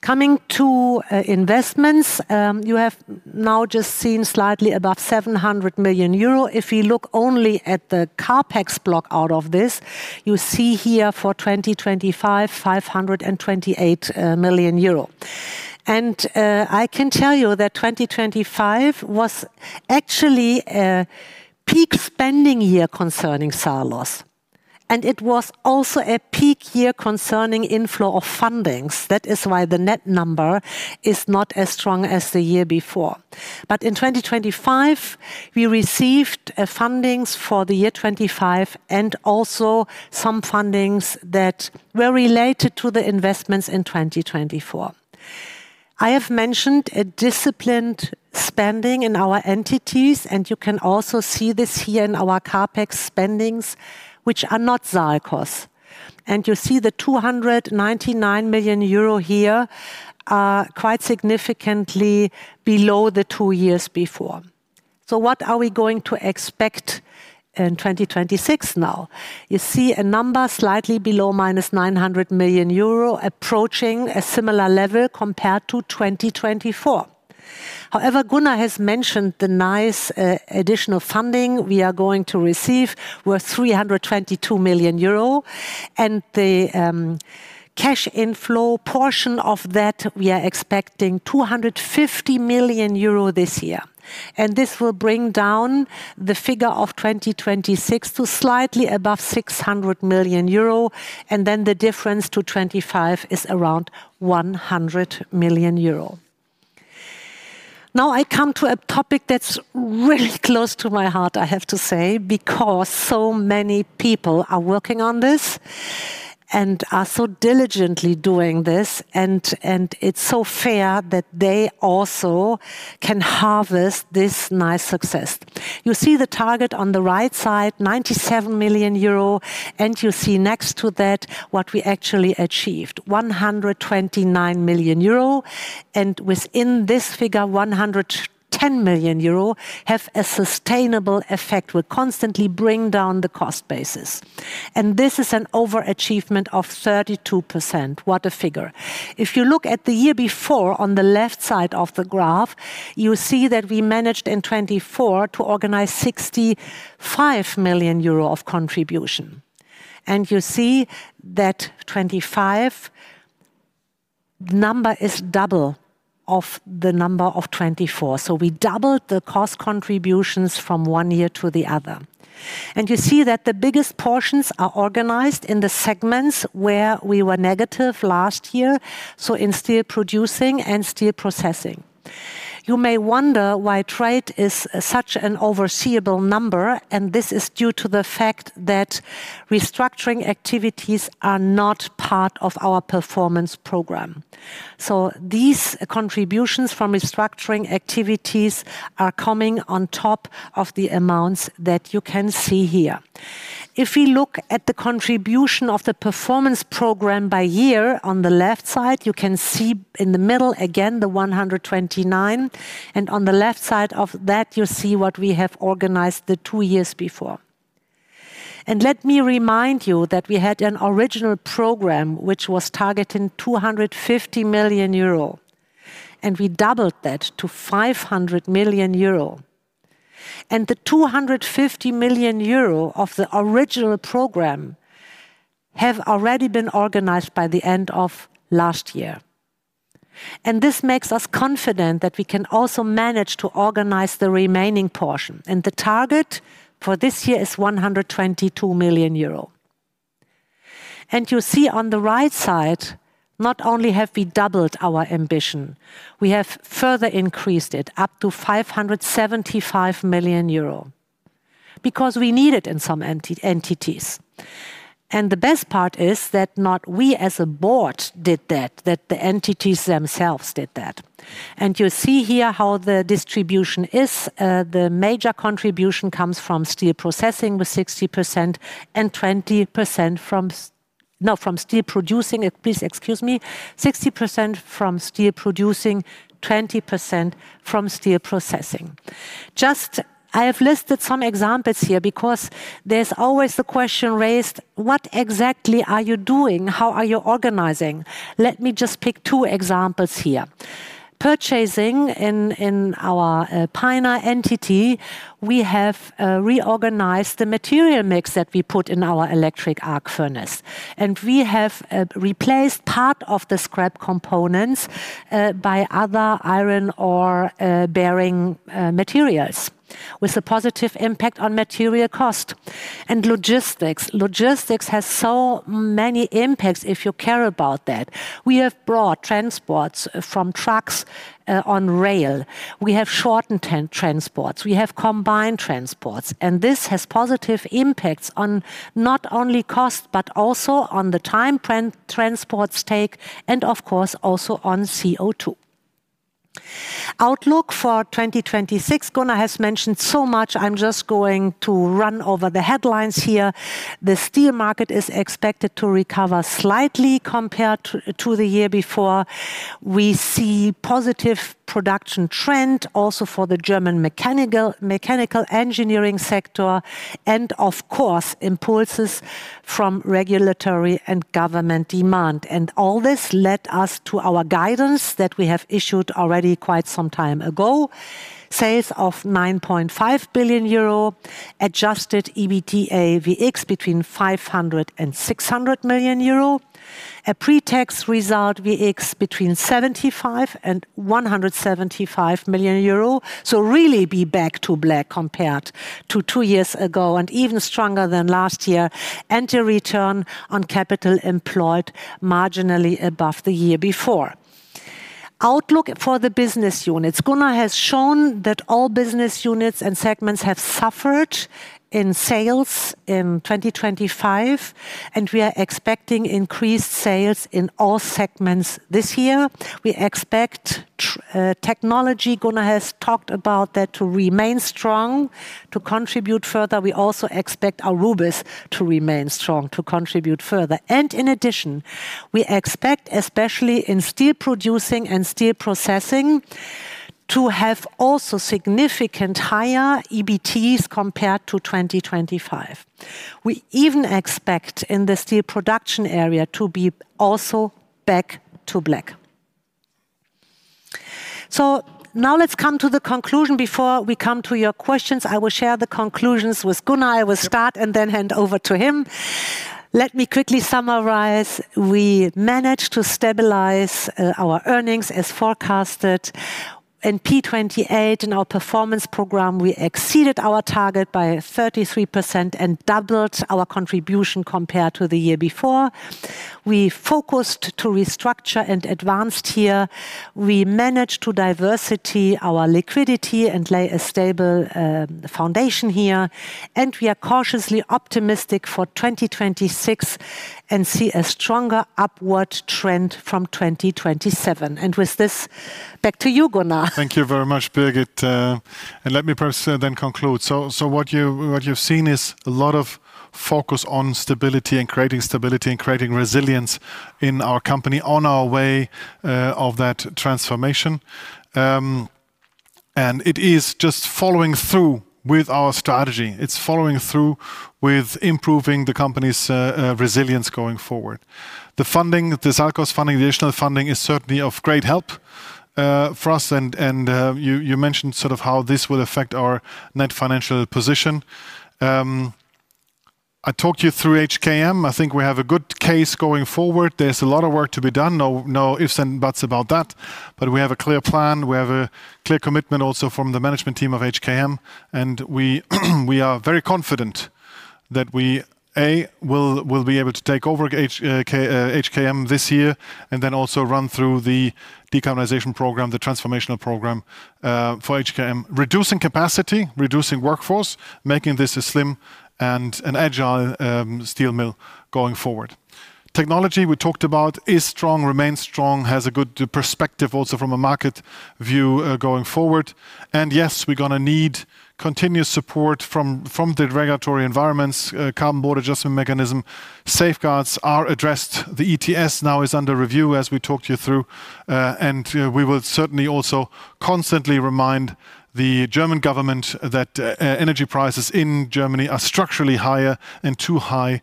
Coming to investments, you have now just seen slightly above 700 million euro. If you look only at the CapEx block out of this, you see here for 2025, 528 million euro. I can tell you that 2025 was actually a peak spending year concerning SALCOS, and it was also a peak year concerning inflow of funding. That is why the net number is not as strong as the year before. In 2025, we received funding for the year 2025 and also some funding that were related to the investments in 2024. I have mentioned a disciplined spending in our entities, and you can also see this here in our CapEx spending, which are not cyclical. You see the 299 million euro here are quite significantly below the two years before. What are we going to expect in 2026 now? You see a number slightly below minus 900 million euro, approaching a similar level compared to 2024. However, Gunnar has mentioned the nice additional funding we are going to receive worth 322 million euro. The cash inflow portion of that, we are expecting 250 million euro this year. This will bring down the figure of 2026 to slightly above 600 million euro. Then the difference to 2025 is around 100 million euro. Now I come to a topic that's really close to my heart, I have to say, because so many people are working on this and are so diligently doing this, and it's so fair that they also can harvest this nice success. You see the target on the right side, 97 million euro, and you see next to that what we actually achieved, 129 million euro. Within this figure, 110 million euro have a sustainable effect, will constantly bring down the cost basis. This is an overachievement of 32%. What a figure. If you look at the year before on the left side of the graph, you see that we managed in 2024 to organize 65 million euro of contribution. You see that 2025 number is double of the number of 2024. We doubled the cost contributions from one year to the other. You see that the biggest portions are organized in the segments where we were negative last year, so in steel producing and steel processing. You may wonder why trade is such an overseeable number, and this is due to the fact that restructuring activities are not part of our performance program. These contributions from restructuring activities are coming on top of the amounts that you can see here. If we look at the contribution of the performance program by year on the left side, you can see in the middle again the 129 million, and on the left side of that you see what we have organized the two years before. Let me remind you that we had an original program which was targeting 250 million euro, and we doubled that to 500 million euro. The 250 million euro of the original program have already been organized by the end of last year. This makes us confident that we can also manage to organize the remaining portion. The target for this year is 122 million euro. You see on the right side, not only have we doubled our ambition, we have further increased it up to 575 million euro because we need it in some entities. The best part is that not we as a board did that the entities themselves did that. You see here how the distribution is. The major contribution comes from steel producing with 60% and 20% from steel processing. I have listed some examples here because there's always the question raised, what exactly are you doing? How are you organizing? Let me just pick two examples here. Purchasing in our Peine entity, we have reorganized the material mix that we put in our electric arc furnace, and we have replaced part of the scrap components by other iron-bearing materials, with a positive impact on material cost. Logistics has so many impacts if you care about that. We have brought transports from trucks on rail. We have shortened transports. We have combined transports. This has positive impacts on not only cost, but also on the time transports take and of course, also on CO₂. Outlook for 2026. Gunnar has mentioned so much. I'm just going to run over the headlines here. The steel market is expected to recover slightly compared to the year before. We see positive production trend also for the German mechanical engineering sector and of course, impulses from regulatory and government demand. All this led us to our guidance that we have issued already quite some time ago. Sales of 9.5 billion euro. Adjusted EBITDA VX between 500 million-600 million euro. A pre-tax result VX between 75 million-175 million euro. Really be back to black compared to two years ago and even stronger than last year. A return on capital employed marginally above the year before. Outlook for the business units. Gunnar has shown that all business units and segments have suffered in sales in 2025, and we are expecting increased sales in all segments this year. We expect technology, Gunnar has talked about that, to remain strong, to contribute further. We also expect Aurubis to remain strong, to contribute further. In addition, we expect, especially in steel producing and steel processing, to have also significant higher EBTs compared to 2025. We even expect in the steel production area to be also back in the black. Now let's come to the conclusion before we come to your questions. I will share the conclusions with Gunnar. Sure. I will start and then hand over to him. Let me quickly summarize. We managed to stabilize our earnings as forecasted. In P28 in our performance program, we exceeded our target by 33% and doubled our contribution compared to the year before. We focused to restructure and advanced here. We managed to diversify our liquidity and lay a stable foundation here. We are cautiously optimistic for 2026 and see a stronger upward trend from 2027. With this, back to you, Gunnar. Thank you very much, Birgit. Let me perhaps then conclude. What you've seen is a lot of focus on stability and creating stability and creating resilience in our company on our way of that transformation. It is just following through with our strategy. It's following through with improving the company's resilience going forward. The funding, the SALCOS funding, the additional funding is certainly of great help for us and you mentioned sort of how this will affect our net financial position. I talked you through HKM. I think we have a good case going forward. There's a lot of work to be done. No ifs and buts about that, but we have a clear plan. We have a clear commitment also from the management team of HKM, and we are very confident that we will be able to take over HKM this year and then also run through the decarbonization program, the transformational program, for HKM, reducing capacity, reducing workforce, making this a slim and an agile steel mill going forward. Technology we talked about is strong, remains strong, has a good perspective also from a market view going forward. Yes, we're gonna need continuous support from the regulatory environments, Carbon Border Adjustment Mechanism. Safeguards are addressed. The ETS now is under review as we talked you through, and we will certainly also constantly remind the German government that energy prices in Germany are structurally higher and too high.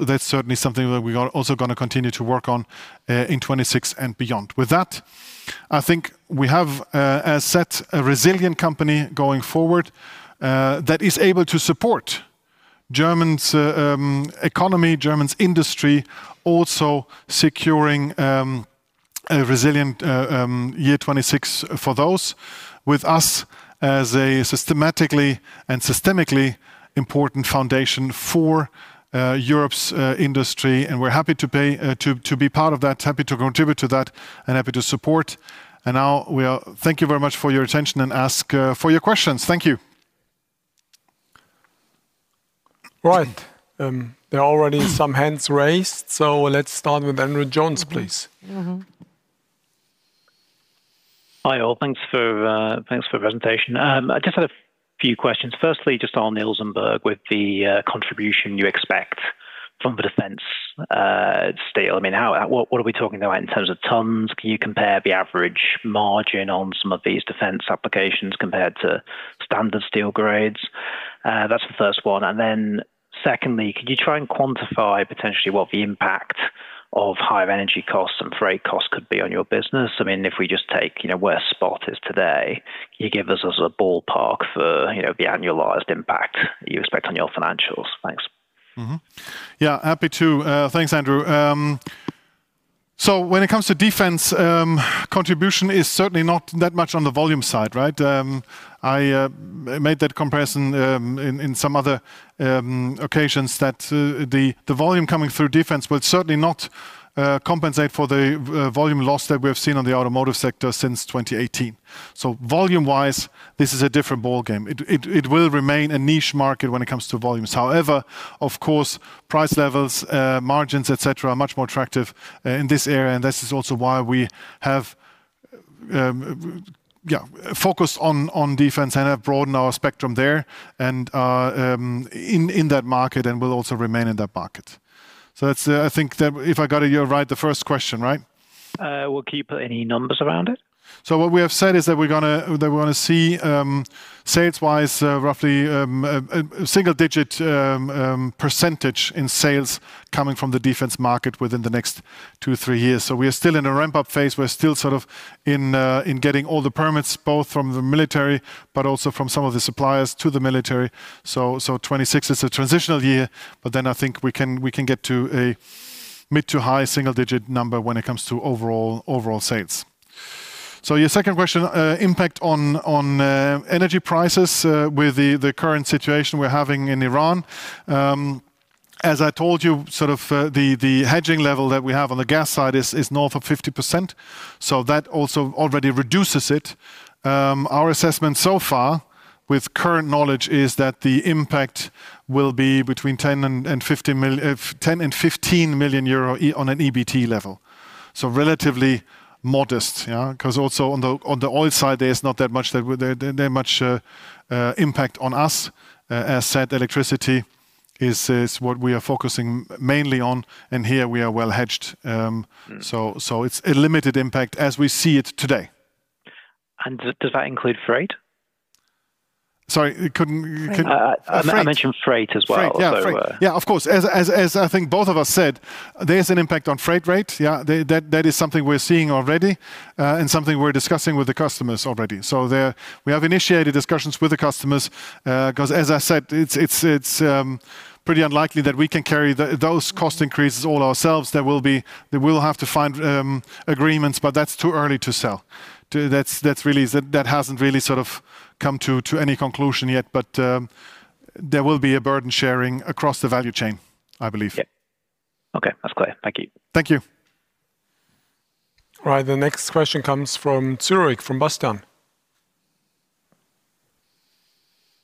That's certainly something that we are also gonna continue to work on in 2026 and beyond. With that, I think we have set a resilient company going forward that is able to support Germany's economy, Germany's industry, also securing a resilient year 2026 for those with us as a systematically and systemically important foundation for Europe's industry. We're happy to play to be part of that, happy to contribute to that, and happy to support. Now thank you very much for your attention and ask for your questions. Thank you. Right. There are already some hands raised, so let's start with Andrew Jones, please. Mm-hmm. Hi, all. Thanks for the presentation. I just had a few questions. Firstly, just on Ilsenburg with the contribution you expect from the defense steel. I mean, what are we talking about in terms of tons? Can you compare the average margin on some of these defense applications compared to standard steel grades? That's the first one. Secondly, could you try and quantify potentially what the impact of higher energy costs and freight costs could be on your business? I mean, if we just take, you know, where spot is today, can you give us a ballpark for, you know, the annualized impact you expect on your financials? Thanks. Mm-hmm. Yeah, happy to. Thanks, Andrew. When it comes to defense, contribution is certainly not that much on the volume side, right? I made that comparison in some other occasions that the volume coming through defense will certainly not compensate for the volume loss that we have seen on the automotive sector since 2018. Volume-wise, this is a different ballgame. It will remain a niche market when it comes to volumes. However, of course, price levels, margins, et cetera, are much more attractive in this area. This is also why we have focused on defense and have broadened our spectrum there and in that market and will also remain in that market. That's, I think, if I got it, you're right, the first question, right? We'll keep any numbers around it. What we have said is that we're gonna see sales-wise roughly a single-digit percentage in sales coming from the defense market within the next 2-3 years. We are still in a ramp-up phase. We're still sort of in getting all the permits, both from the military but also from some of the suppliers to the military. 2026 is a transitional year, but then I think we can get to a mid- to high-single-digit number when it comes to overall sales. Your second question, impact on energy prices with the current situation we're having in Iran. As I told you, sort of, the hedging level that we have on the gas side is north of 50%, so that also already reduces it. Our assessment so far with current knowledge is that the impact will be between 10 million and 15 million euro on an EBT level. Relatively modest, yeah? 'Cause also on the oil side, there's not that much impact on us. As said, electricity is what we are focusing mainly on, and here we are well hedged. It's a limited impact as we see it today. Does that include freight? Sorry, you couldn't. I mentioned freight as well. Freight. Yeah, freight. So, uh- Yeah, of course. As I think both of us said, there's an impact on freight rate. That is something we're seeing already, and something we're discussing with the customers already. We have initiated discussions with the customers, 'cause as I said, it's pretty unlikely that we can carry those cost increases all ourselves. There will be. We will have to find agreements, but that's too early to tell. That's really. That hasn't really sort of come to any conclusion yet. There will be a burden sharing across the value chain, I believe. Yeah. Okay. That's clear. Thank you. Thank you. All right, the next question comes from Zurich, from Bastian.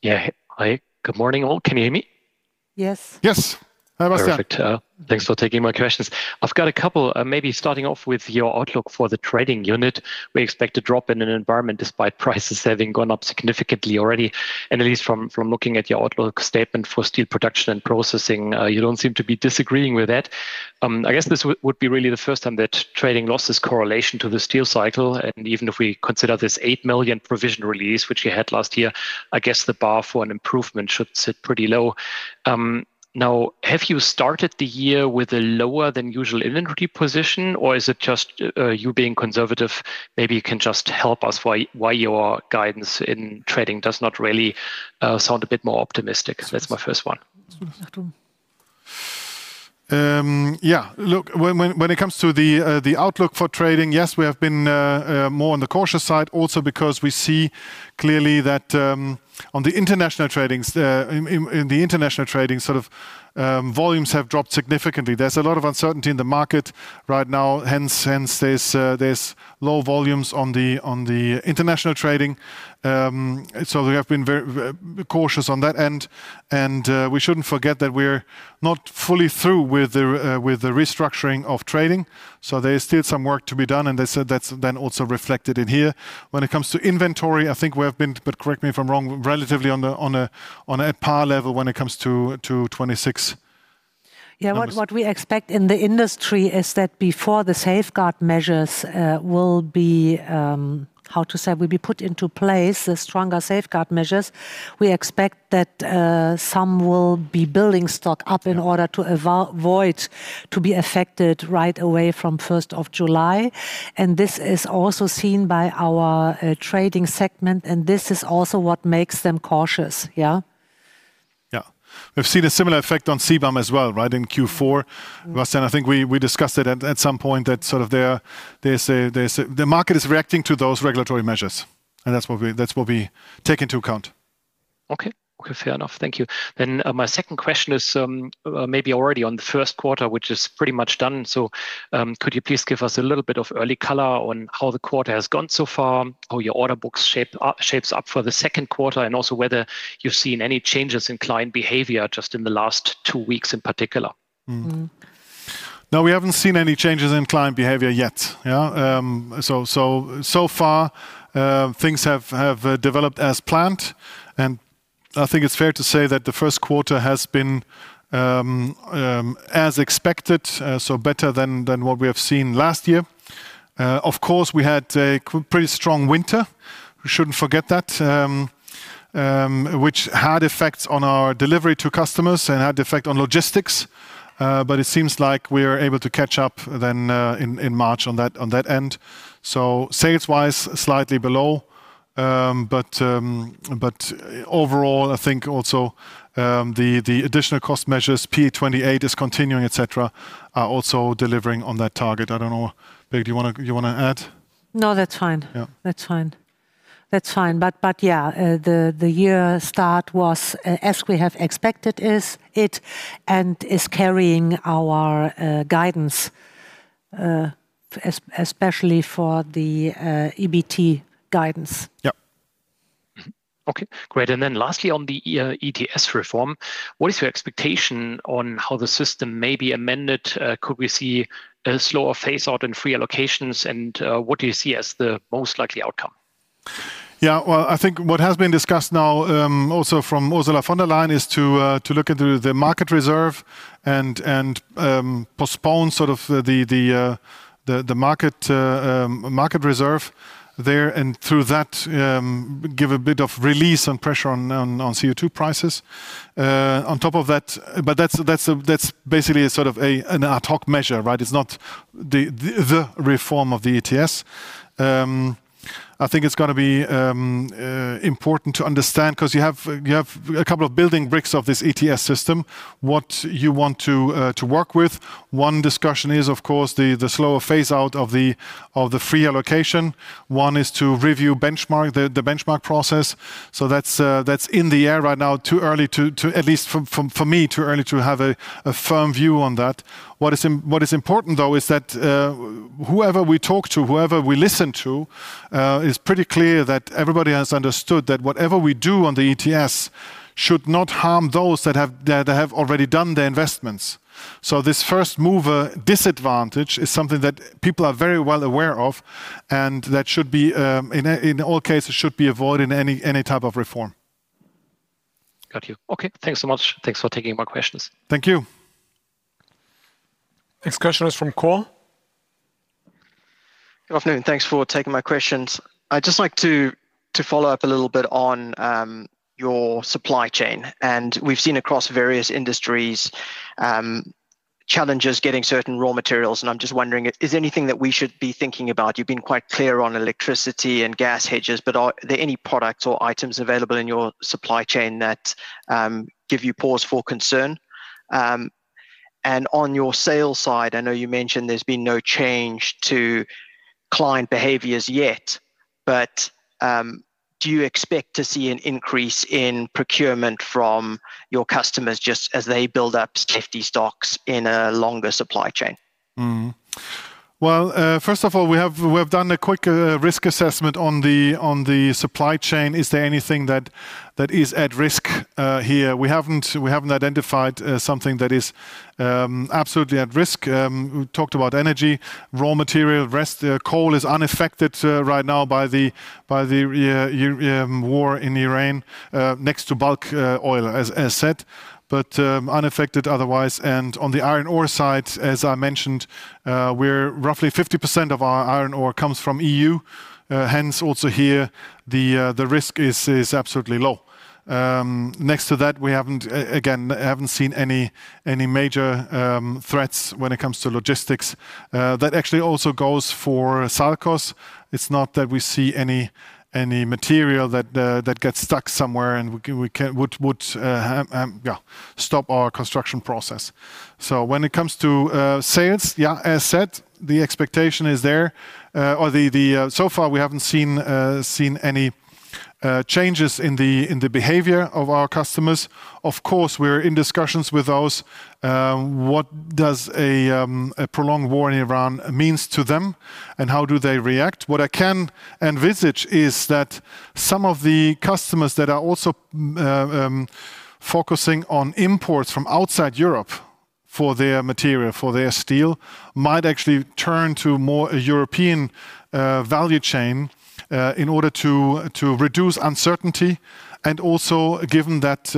Yeah. Hi. Good morning, all. Can you hear me? Yes. Yes. Hi, Bastian. Perfect. Thanks for taking my questions. I've got a couple, maybe starting off with your outlook for the trading unit. We expect a drop in an environment despite prices having gone up significantly already. At least from looking at your outlook statement for steel production and processing, you don't seem to be disagreeing with that. I guess this would be really the first time that trading lost its correlation to the steel cycle. Even if we consider this 8 million provision release which you had last year, I guess the bar for an improvement should sit pretty low. Now, have you started the year with a lower than usual inventory position, or is it just you being conservative? Maybe you can just help us why your guidance in trading does not really sound a bit more optimistic? That's my first one. Yeah. Look, when it comes to the outlook for trading, yes, we have been more on the cautious side also because we see clearly that on the international trading sort of volumes have dropped significantly. There's a lot of uncertainty in the market right now, hence there's low volumes on the international trading. So we have been very cautious on that end. We shouldn't forget that we're not fully through with the restructuring of trading, so there is still some work to be done, and they said that's then also reflected in here. When it comes to inventory, I think we have been, but correct me if I'm wrong, relatively on a par level when it comes to 2026. Yeah. What we expect in the industry is that before the safeguard measures will be put into place, the stronger safeguard measures, we expect that some will be building stock up in order to avoid to be affected right away from 1st of July. This is also seen by our trading segment, and this is also what makes them cautious. Yeah. We've seen a similar effect on CBAM as well, right? In Q4. Bastian, I think we discussed it at some point, that sort of they say the market is reacting to those regulatory measures. That's what we take into account. Okay. Okay, fair enough. Thank you. My second question is, maybe already on the first quarter, which is pretty much done, so, could you please give us a little bit of early color on how the quarter has gone so far? How your order books shapes up for the second quarter? And also whether you've seen any changes in client behavior just in the last two weeks in particular? Mm. No, we haven't seen any changes in client behavior yet. Yeah. So far, things have developed as planned. I think it's fair to say that the first quarter has been as expected, so better than what we have seen last year. Of course, we had a pretty strong winter, we shouldn't forget that, which had effects on our delivery to customers and had effect on logistics. But it seems like we are able to catch up then in March on that end. Sales wise, slightly below. But overall, I think also the additional cost measures, P28 is continuing, et cetera, are also delivering on that target. I don't know. Birgit, do you wanna add? No, that's fine. Yeah. That's fine. Yeah, the year start was as we have expected, and it is carrying our guidance, especially for the EBT guidance. Yeah. Okay, great. Lastly, on the ETS reform, what is your expectation on how the system may be amended? Could we see a slower phase out in free allocations? What do you see as the most likely outcome? Yeah. Well, I think what has been discussed now, also from Ursula von der Leyen, is to look into the market reserve and postpone sort of the market reserve there, and through that, give a bit of relief from the pressure on CO2 prices. On top of that. That's basically sort of an ad hoc measure, right? It's not the reform of the ETS. I think it's gonna be important to understand, 'cause you have a couple of building blocks of this ETS system, what you want to work with. One discussion is, of course, the slower phase out of the free allocation. One is to review the benchmark process. That's in the air right now. Too early to at least for me too early to have a firm view on that. What is important though is that whoever we talk to, whoever we listen to is pretty clear that everybody has understood that whatever we do on the ETS should not harm those that have already done their investments. This first mover disadvantage is something that people are very well aware of, and that should be in all cases avoided in any type of reform. Got you. Okay. Thanks so much. Thanks for taking my questions. Thank you. Next question is from Cole. Good afternoon. Thanks for taking my questions. I'd just like to follow up a little bit on your supply chain. We've seen across various industries challenges getting certain raw materials, and I'm just wondering, is anything that we should be thinking about? You've been quite clear on electricity and gas hedges, but are there any products or items available in your supply chain that give you pause for concern? On your sales side, I know you mentioned there's been no change to client behaviors yet, but do you expect to see an increase in procurement from your customers just as they build up safety stocks in a longer supply chain? Well, first of all, we have done a quick risk assessment on the supply chain. Is there anything that is at risk here? We haven't identified something that is absolutely at risk. We talked about energy, raw material, rest. Coal is unaffected right now by the war in Iran, next to bulk oil as said, but unaffected otherwise. On the iron ore side, as I mentioned, we're roughly 50% of our iron ore comes from EU, hence also here the risk is absolutely low. Next to that, we haven't seen any major threats when it comes to logistics. That actually also goes for SALCOS. It's not that we see any material that gets stuck somewhere, and we would stop our construction process. When it comes to sales, as said, the expectation is there. So far we haven't seen any changes in the behavior of our customers. Of course, we're in discussions with those. What does a prolonged war in Iran means to them, and how do they react? What I can envisage is that some of the customers that are also focusing on imports from outside Europe for their material, for their steel, might actually turn to more a European value chain in order to reduce uncertainty. Also given that,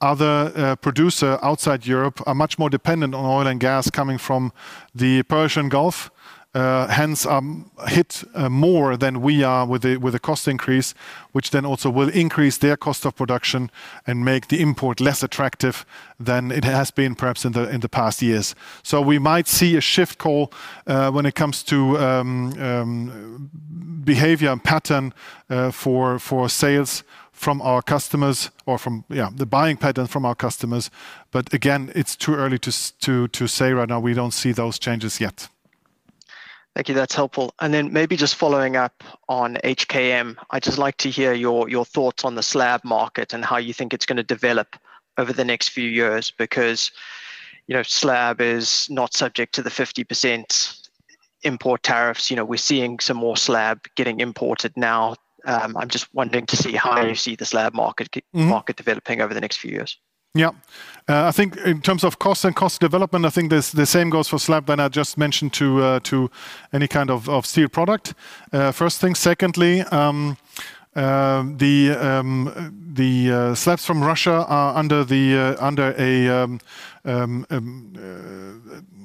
other producer outside Europe are much more dependent on oil and gas coming from the Persian Gulf, hence hit more than we are with a cost increase, which then also will increase their cost of production and make the import less attractive than it has been perhaps in the past years. We might see a shift call when it comes to behavior and pattern for sales from our customers or from the buying pattern from our customers. Again, it's too early to say right now. We don't see those changes yet. Thank you. That's helpful. Maybe just following up on HKM. I'd just like to hear your thoughts on the slab market and how you think it's gonna develop over the next few years. Because, you know, slab is not subject to the 50% import tariffs. You know, we're seeing some more slab getting imported now. I'm just wondering to see how you see the slab market. Mm-hmm Market developing over the next few years. I think in terms of cost and cost development, I think the same goes for slab, and I just mentioned, too, any kind of steel product. First thing. Secondly, the slabs from Russia are under a...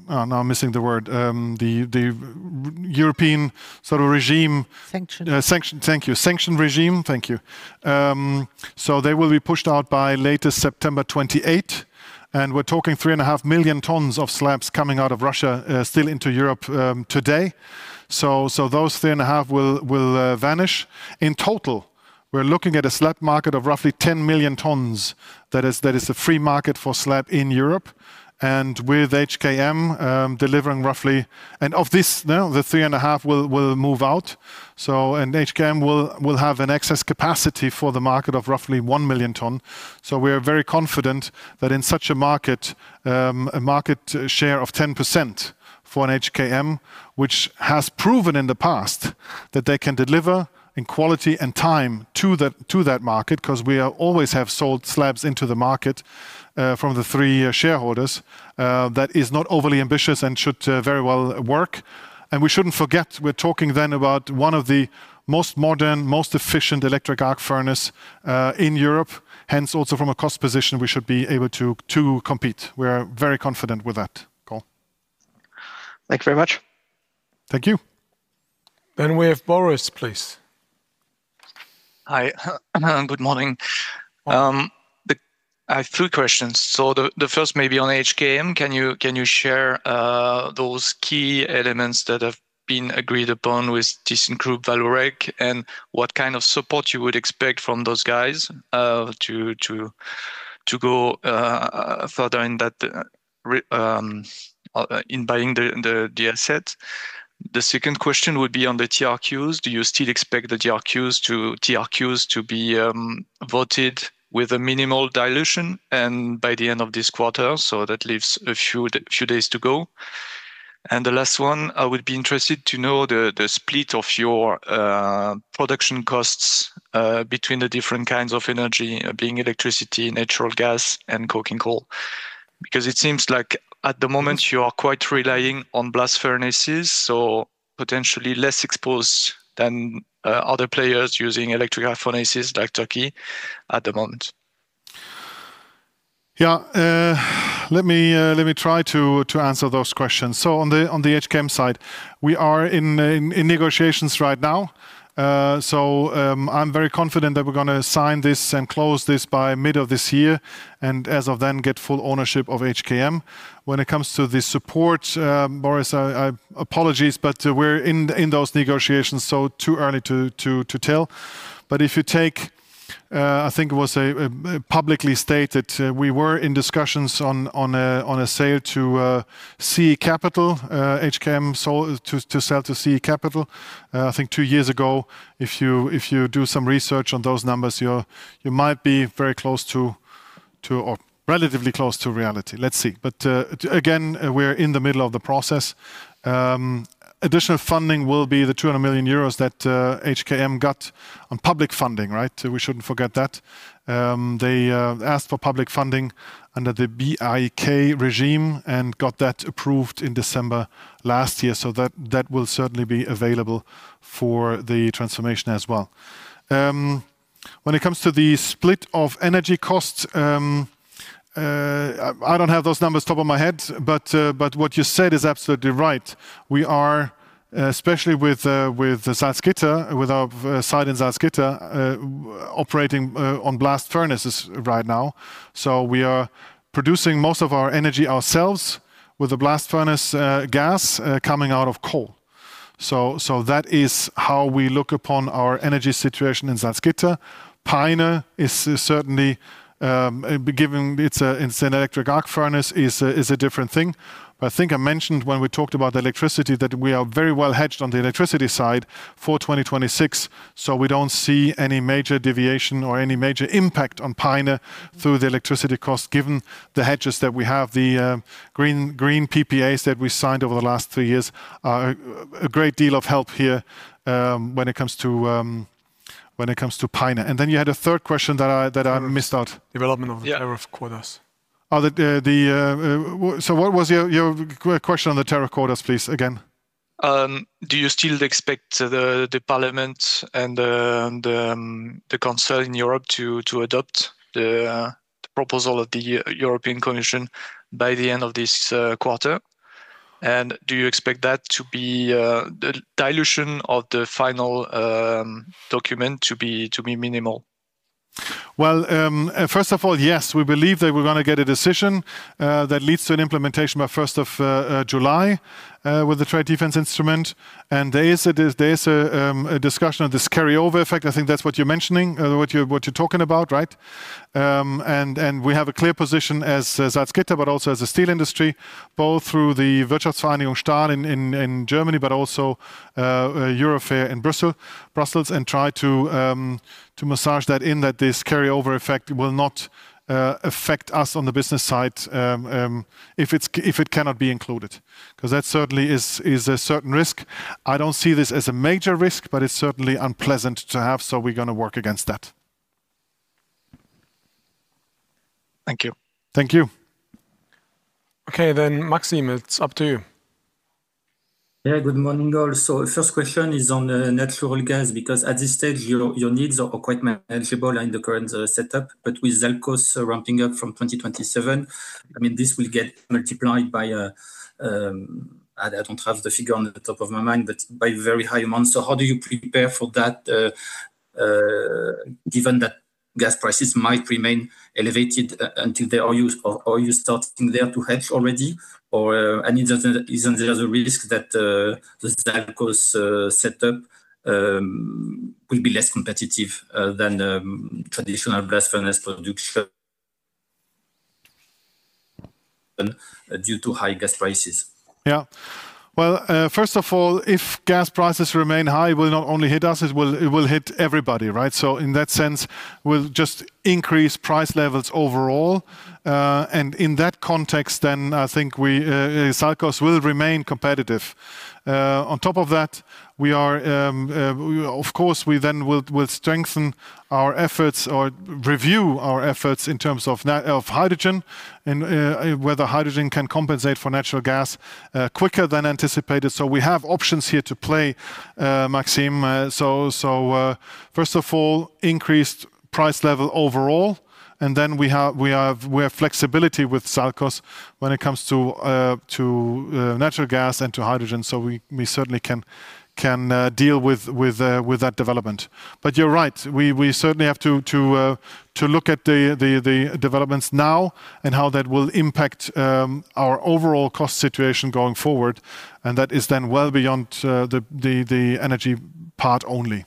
Now I'm missing the word. The European sort of regime- Sanction. Sanctions regime. They will be pushed out by latest September 2028, and we're talking 3.5 million tons of slabs coming out of Russia still into Europe today. Those 3.5 will vanish. In total, we're looking at a slab market of roughly 10 million tons. That is a free market for slab in Europe. With HKM delivering roughly... Of this now, the 3.5 will move out. HKM will have an excess capacity for the market of roughly 1 million tons. We are very confident that in such a market, a market share of 10% for an HKM, which has proven in the past that they can deliver in quality and time to that market, 'cause we are always have sold slabs into the market from the three shareholders, that is not overly ambitious and should very well work. We shouldn't forget, we're talking then about one of the most modern, most efficient electric arc furnace in Europe. Hence, also from a cost position, we should be able to compete. We are very confident with that, Cole. Thank you very much. Thank you. We have Boris, please. Hi. Good morning. I have two questions. The first may be on HKM. Can you share those key elements that have been agreed upon with thyssenkrupp Vallourec, and what kind of support you would expect from those guys to go further in buying the asset? The second question would be on the TRQs. Do you still expect the TRQs to be voted with a minimal dilution and by the end of this quarter? That leaves a few days to go. The last one, I would be interested to know the split of your production costs between the different kinds of energy, being electricity, natural gas, and coking coal. Because it seems like at the moment you are quite relying on blast furnaces, so potentially less exposed than other players using electric arc furnaces like Turkey at the moment. Let me try to answer those questions. On the HKM side, we are in negotiations right now. I'm very confident that we're gonna sign this and close this by middle of this year, and as of then get full ownership of HKM. When it comes to the support, Boris, apologies, but we're in those negotiations, so too early to tell. If you take, I think it was publicly stated, we were in discussions on a sale to CE Capital, HKM sold to CE Capital, I think two years ago. If you do some research on those numbers, you might be very close to or relatively close to reality. Let's see. Again, we're in the middle of the process. Additional funding will be the 200 million euros that HKM got on public funding, right? We shouldn't forget that. They asked for public funding under the BIK regime and got that approved in December last year, so that will certainly be available for the transformation as well. When it comes to the split of energy costs, I don't have those numbers top of my head, but what you said is absolutely right. We are especially with our site in Salzgitter operating on blast furnaces right now, so we are producing most of our energy ourselves with the blast furnace gas coming out of coal. That is how we look upon our energy situation in Salzgitter. Peine is certainly given, it's an electric arc furnace is a different thing. I think I mentioned when we talked about the electricity that we are very well hedged on the electricity side for 2026, so we don't see any major deviation or any major impact on Peine through the electricity cost, given the hedges that we have. The green PPAs that we signed over the last three years are a great deal of help here when it comes to Peine. Then you had a third question that I missed out. Development of tariff quotas. What was your question on the tariff quotas, please, again? Do you still expect the Parliament and the Council in Europe to adopt the proposal of the European Commission by the end of this quarter? Do you expect that to be the dilution of the final document to be minimal? Well, first of all, yes, we believe that we're gonna get a decision that leads to an implementation by first of July with the Trade Defence Instrument. There is a discussion of this carryover effect. I think that's what you're mentioning, what you're talking about, right? We have a clear position as Salzgitter, but also as a steel industry, both through the Wirtschaftsvereinigung Stahl in Germany, but also Eurofer in Brussels, and try to massage that in that this carryover effect will not affect us on the business side, if it cannot be included. 'Cause that certainly is a certain risk. I don't see this as a major risk, but it's certainly unpleasant to have, so we're gonna work against that. Thank you. Thank you. Okay, Maxime, it's up to you. Yeah. Good morning, all. First question is on natural gas, because at this stage your needs are quite manageable in the current setup, but with SALCOS ramping up from 2027, I mean, this will get multiplied by. I don't have the figure on the top of my mind, but by very high amount. How do you prepare for that, given that gas prices might remain elevated until they are used, or are you starting there to hedge already? Or, and isn't there the risk that the SALCOS setup will be less competitive than traditional blast furnace production due to high gas prices? Yeah. Well, first of all, if gas prices remain high, it will not only hit us, it will hit everybody, right? In that sense it will just increase price levels overall. In that context then, I think SALCOS will remain competitive. On top of that, of course we then will strengthen our efforts or review our efforts in terms of natural gas and hydrogen and whether hydrogen can compensate for natural gas quicker than anticipated. We have options here to play, Maxime. First of all, increased price level overall, and then we have flexibility with SALCOS when it comes to natural gas and to hydrogen. We certainly can deal with that development. You're right. We certainly have to look at the developments now and how that will impact our overall cost situation going forward, and that is then well beyond the energy part only.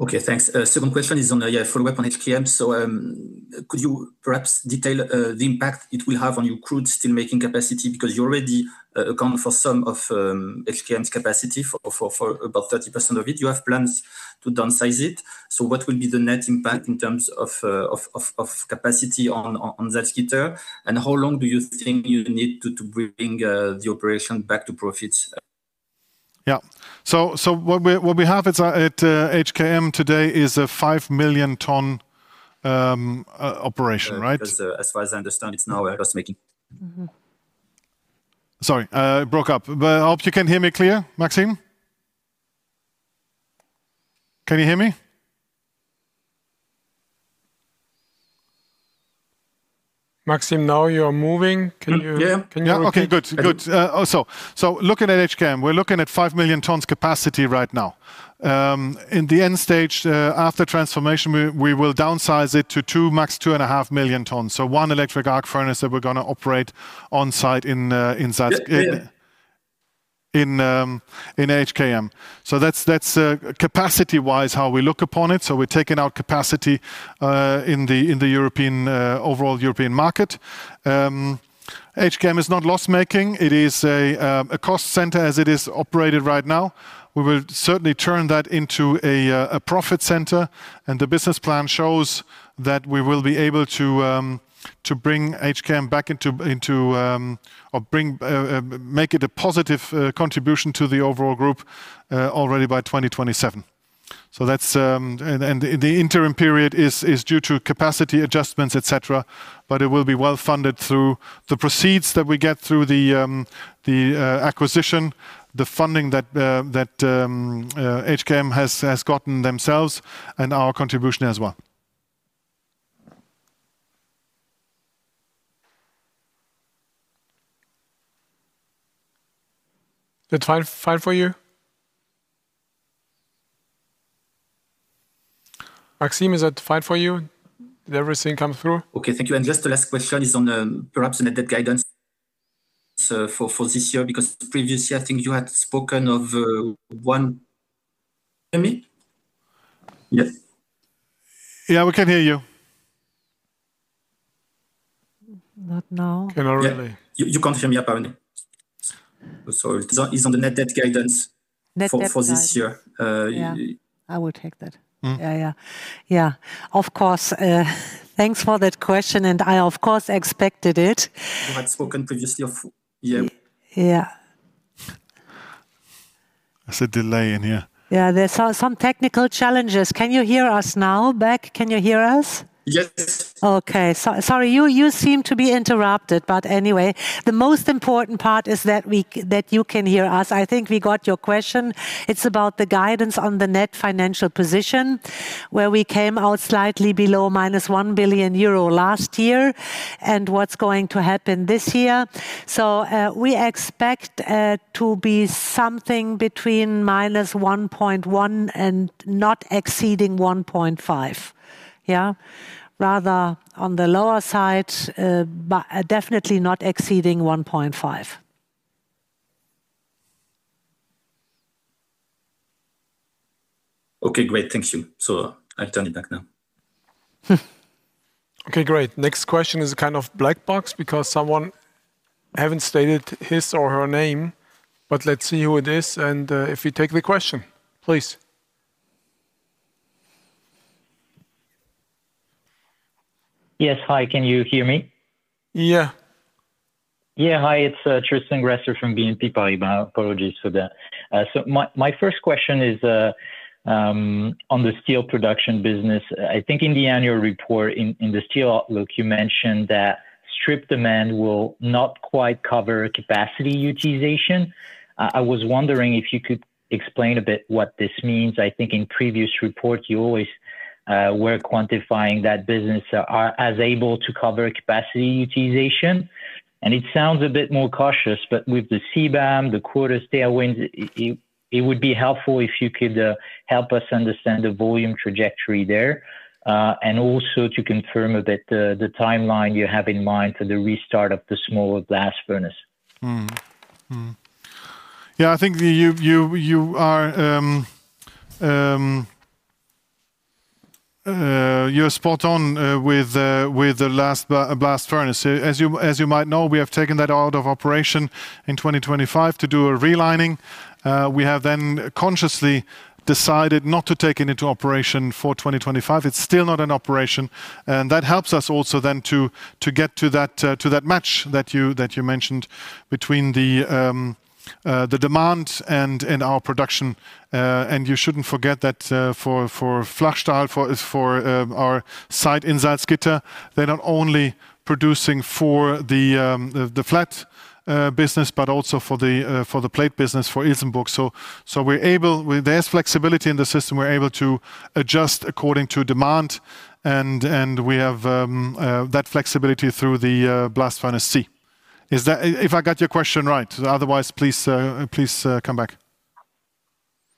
Okay, thanks. Second question is on follow-up on HKM. Could you perhaps detail the impact it will have on your crude steelmaking capacity? Because you already account for some of HKM's capacity for about 30% of it. You have plans to downsize it. What will be the net impact in terms of capacity on Salzgitter? And how long do you think you need to bring the operation back to profits? What we have at HKM today is a five million ton operation, right? As far as I understand, it's now ironmaking. Mm-hmm. Sorry, it broke up. I hope you can hear me clear, Maxime. Can you hear me? Maxime, now you're moving. Can you- Yeah. Yeah. Okay, good. Good. Looking at HKM, we're looking at five million tons capacity right now. In the end stage, after transformation, we will downsize it to two, max 2.5 million tons. One electric arc furnace that we're gonna operate on-site in Salz- Yeah. Yeah, yeah. In HKM. That's capacity-wise, how we look upon it. We're taking out capacity in the overall European market. HKM is not loss-making. It is a cost center as it is operated right now. We will certainly turn that into a profit center, and the business plan shows that we will be able to bring HKM back into or make it a positive contribution to the overall group already by 2027. The interim period is due to capacity adjustments, et cetera, but it will be well-funded through the proceeds that we get through the acquisition, the funding that HKM has gotten themselves and our contribution as well. Is that fine for you? Maxime, is that fine for you? Did everything come through? Okay, thank you. Just the last question is on the debt guidance, perhaps on the debt guidance, for this year, because previous year, I think you had spoken of one. Can you hear me? Yes. Yeah, we can hear you. Not now. Cannot really. You confirm, yeah, apparently. It's on the net debt guidance. Net debt guidance for this year. Yeah. I will take that. Mm. Yeah, yeah. Yeah. Of course. Thanks for that question, and I, of course, expected it. You had spoken previously of. Yeah. Yeah. There's a delay in here. Yeah, there's some technical challenges. Can you hear us now, back? Can you hear us? Yes. Okay. Sorry, you seem to be interrupted. Anyway, the most important part is that you can hear us. I think we got your question. It's about the guidance on the net financial position, where we came out slightly below -1 billion euro last year, and what's going to happen this year. We expect to be something between -1.1 billion and not exceeding -1.5 billion. Yeah? Rather on the lower side, but definitely not exceeding -EUR 1.5 billion. Okay, great. Thank you. I turn it back now. Okay, great. Next question is a kind of black box because someone haven't stated his or her name, but let's see who it is and, if we take the question, please. Yes. Hi, can you hear me? Yeah. Yeah. Hi, it's Tristan Gresser from BNP Paribas. Apologies for that. So my first question is on the steel production business. I think in the annual report in the steel outlook, you mentioned that strip demand will not quite cover capacity utilization. I was wondering if you could explain a bit what this means. I think in previous reports, you always were quantifying that business as able to cover capacity utilization, and it sounds a bit more cautious. But with the CBAM, the quota tailwinds, it would be helpful if you could help us understand the volume trajectory there, and also to confirm a bit the timeline you have in mind for the restart of the smaller blast furnace. Yeah, I think you are spot on with the last blast furnace. As you might know, we have taken that out of operation in 2025 to do a relining. We have then consciously decided not to take it into operation for 2025. It's still not in operation, and that helps us also then to get to that match that you mentioned between the demand and our production. You shouldn't forget that for Flachstahl, for our site in Salzgitter, they're not only producing for the flat business, but also for the plate business for Ilsenburg. We're able, with this flexibility in the system, we're able to adjust according to demand and we have that flexibility through the Blast Furnace C. Is that? If I got your question right, otherwise, please come back.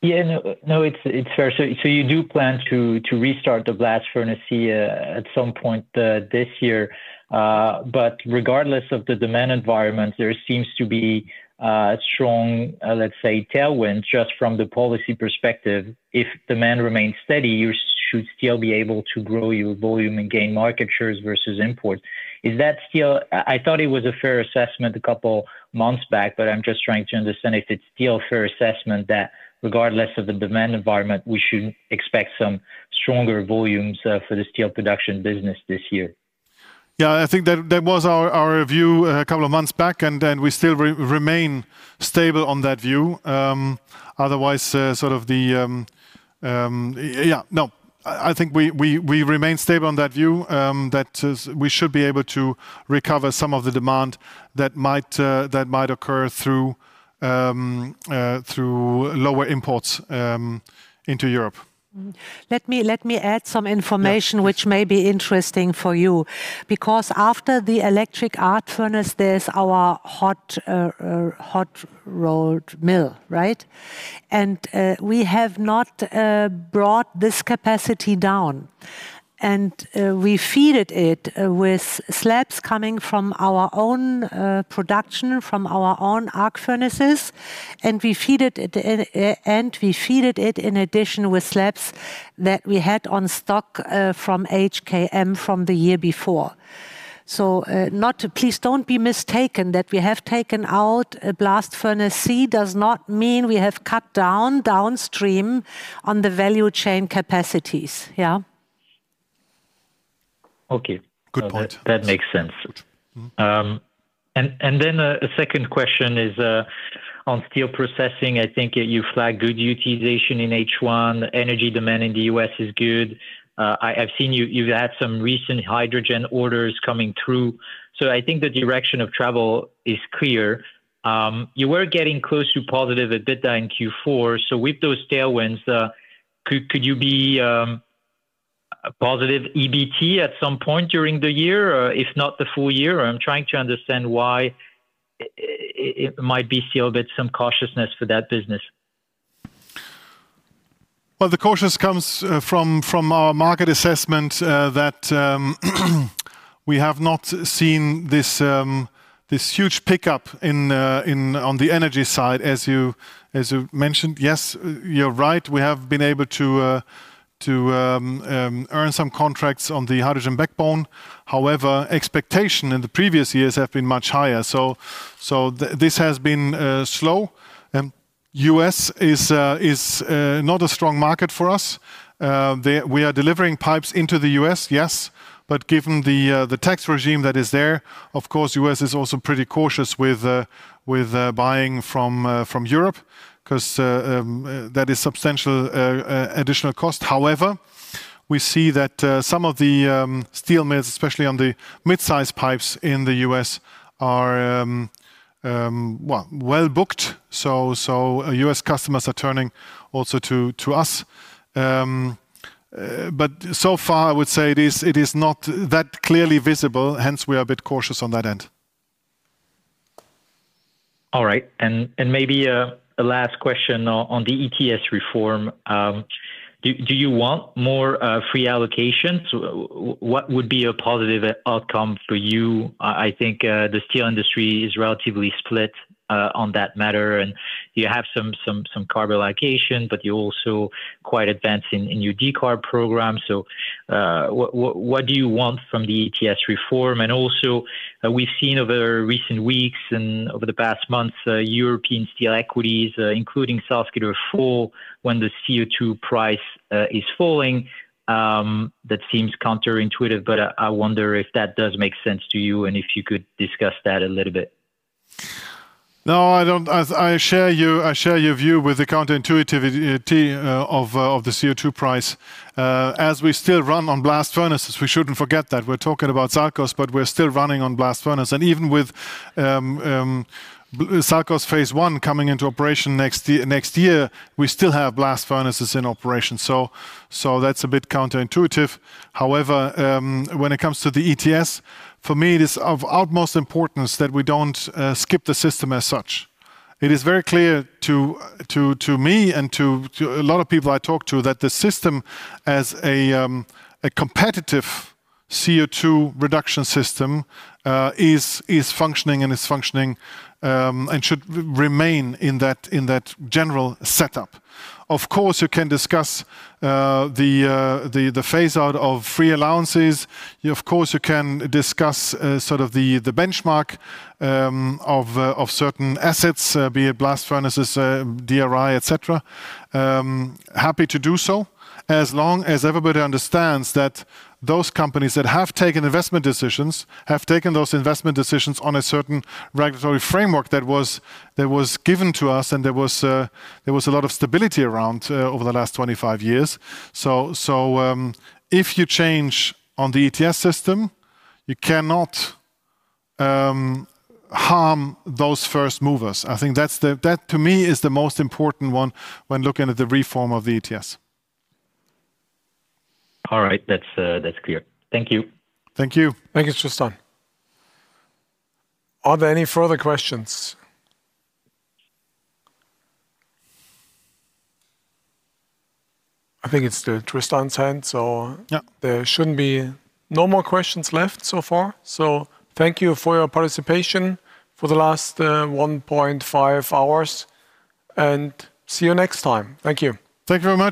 Yeah. No, it's fair. You do plan to restart the Blast Furnace C at some point this year. Regardless of the demand environment, there seems to be a strong, let's say, tailwind just from the policy perspective. If demand remains steady, you should still be able to grow your volume and gain market shares versus imports. Is that still a fair assessment? I thought it was a fair assessment a couple months back, but I'm just trying to understand if it's still a fair assessment that regardless of the demand environment, we should expect some stronger volumes for the steel production business this year. Yeah, I think that was our view a couple of months back, and we still remain stable on that view. Otherwise, sort of the, yeah, no. I think we remain stable on that view, that is we should be able to recover some of the demand that might occur through lower imports into Europe. Let me add some information. Yeah. Which may be interesting for you. After the electric arc furnace, there's our hot roll mill, right? We have not brought this capacity down. We fed it with slabs coming from our own production, from our own arc furnaces. We fed it at the end in addition with slabs that we had on stock from HKM from the year before. Please don't be mistaken that we have taken out Blast Furnace C does not mean we have cut down downstream on the value chain capacities, yeah. Okay. Good point. That makes sense. Then a second question is on steel processing. I think you flag good utilization in H1. Energy demand in the U.S. is good. I've seen you've had some recent hydrogen orders coming through. I think the direction of travel is clear. You were getting close to positive EBITDA in Q4, so with those tailwinds, could you be positive EBT at some point during the year, or if not the full year? I'm trying to understand why it might be veiled with some cautiousness for that business. Well, the caution comes from our market assessment that we have not seen this huge pickup in on the energy side as you mentioned. Yes, you're right. We have been able to earn some contracts on the hydrogen backbone. However, expectations in the previous years have been much higher. This has been slow. U.S. is not a strong market for us. We are delivering pipes into the U.S., yes. But given the tax regime that is there, of course, U.S. is also pretty cautious with buying from Europe, 'cause that is substantial additional cost. However, we see that some of the steel mills, especially on the mid-size pipes in the U.S. are well-booked. U.S. customers are turning also to us. So far, I would say it is not that clearly visible, hence we are a bit cautious on that end. All right. Maybe a last question on the ETS reform. Do you want more free allocations? What would be a positive outcome for you? I think the steel industry is relatively split on that matter, and you have some carbon allocation, but you're also quite advanced in your decarb program. What do you want from the ETS reform? Also, we've seen over recent weeks and over the past months, European steel equities, including Salzgitter, fall when the CO2 price is falling. That seems counterintuitive, but I wonder if that does make sense to you, and if you could discuss that a little bit. No, I don't. As I share your view with the counterintuitivity of the CO2 price. As we still run on blast furnaces, we shouldn't forget that. We're talking about SALCOS, but we're still running on blast furnace. Even with SALCOS phase one coming into operation next year, we still have blast furnaces in operation. That's a bit counterintuitive. However, when it comes to the ETS, for me, it is of utmost importance that we don't skip the system as such. It is very clear to me and to a lot of people I talk to that the system as a competitive CO2 reduction system is functioning and should remain in that general setup. Of course, you can discuss the phase out of free allowances. You can discuss sort of the benchmark of certain assets, be it blast furnaces, DRI, et cetera. Happy to do so, as long as everybody understands that those companies that have taken investment decisions have taken those investment decisions on a certain regulatory framework that was given to us and there was a lot of stability around over the last 25 years. If you change on the ETS system, you cannot harm those first movers. I think that's the most important one to me when looking at the reform of the ETS. All right. That's clear. Thank you. Thank you. Thank you, Tristan. Are there any further questions? I think it's Tristan's hand. Yeah There shouldn't be. No more questions left so far. Thank you for your participation for the last 1.5 hours, and see you next time. Thank you. Thank you very much.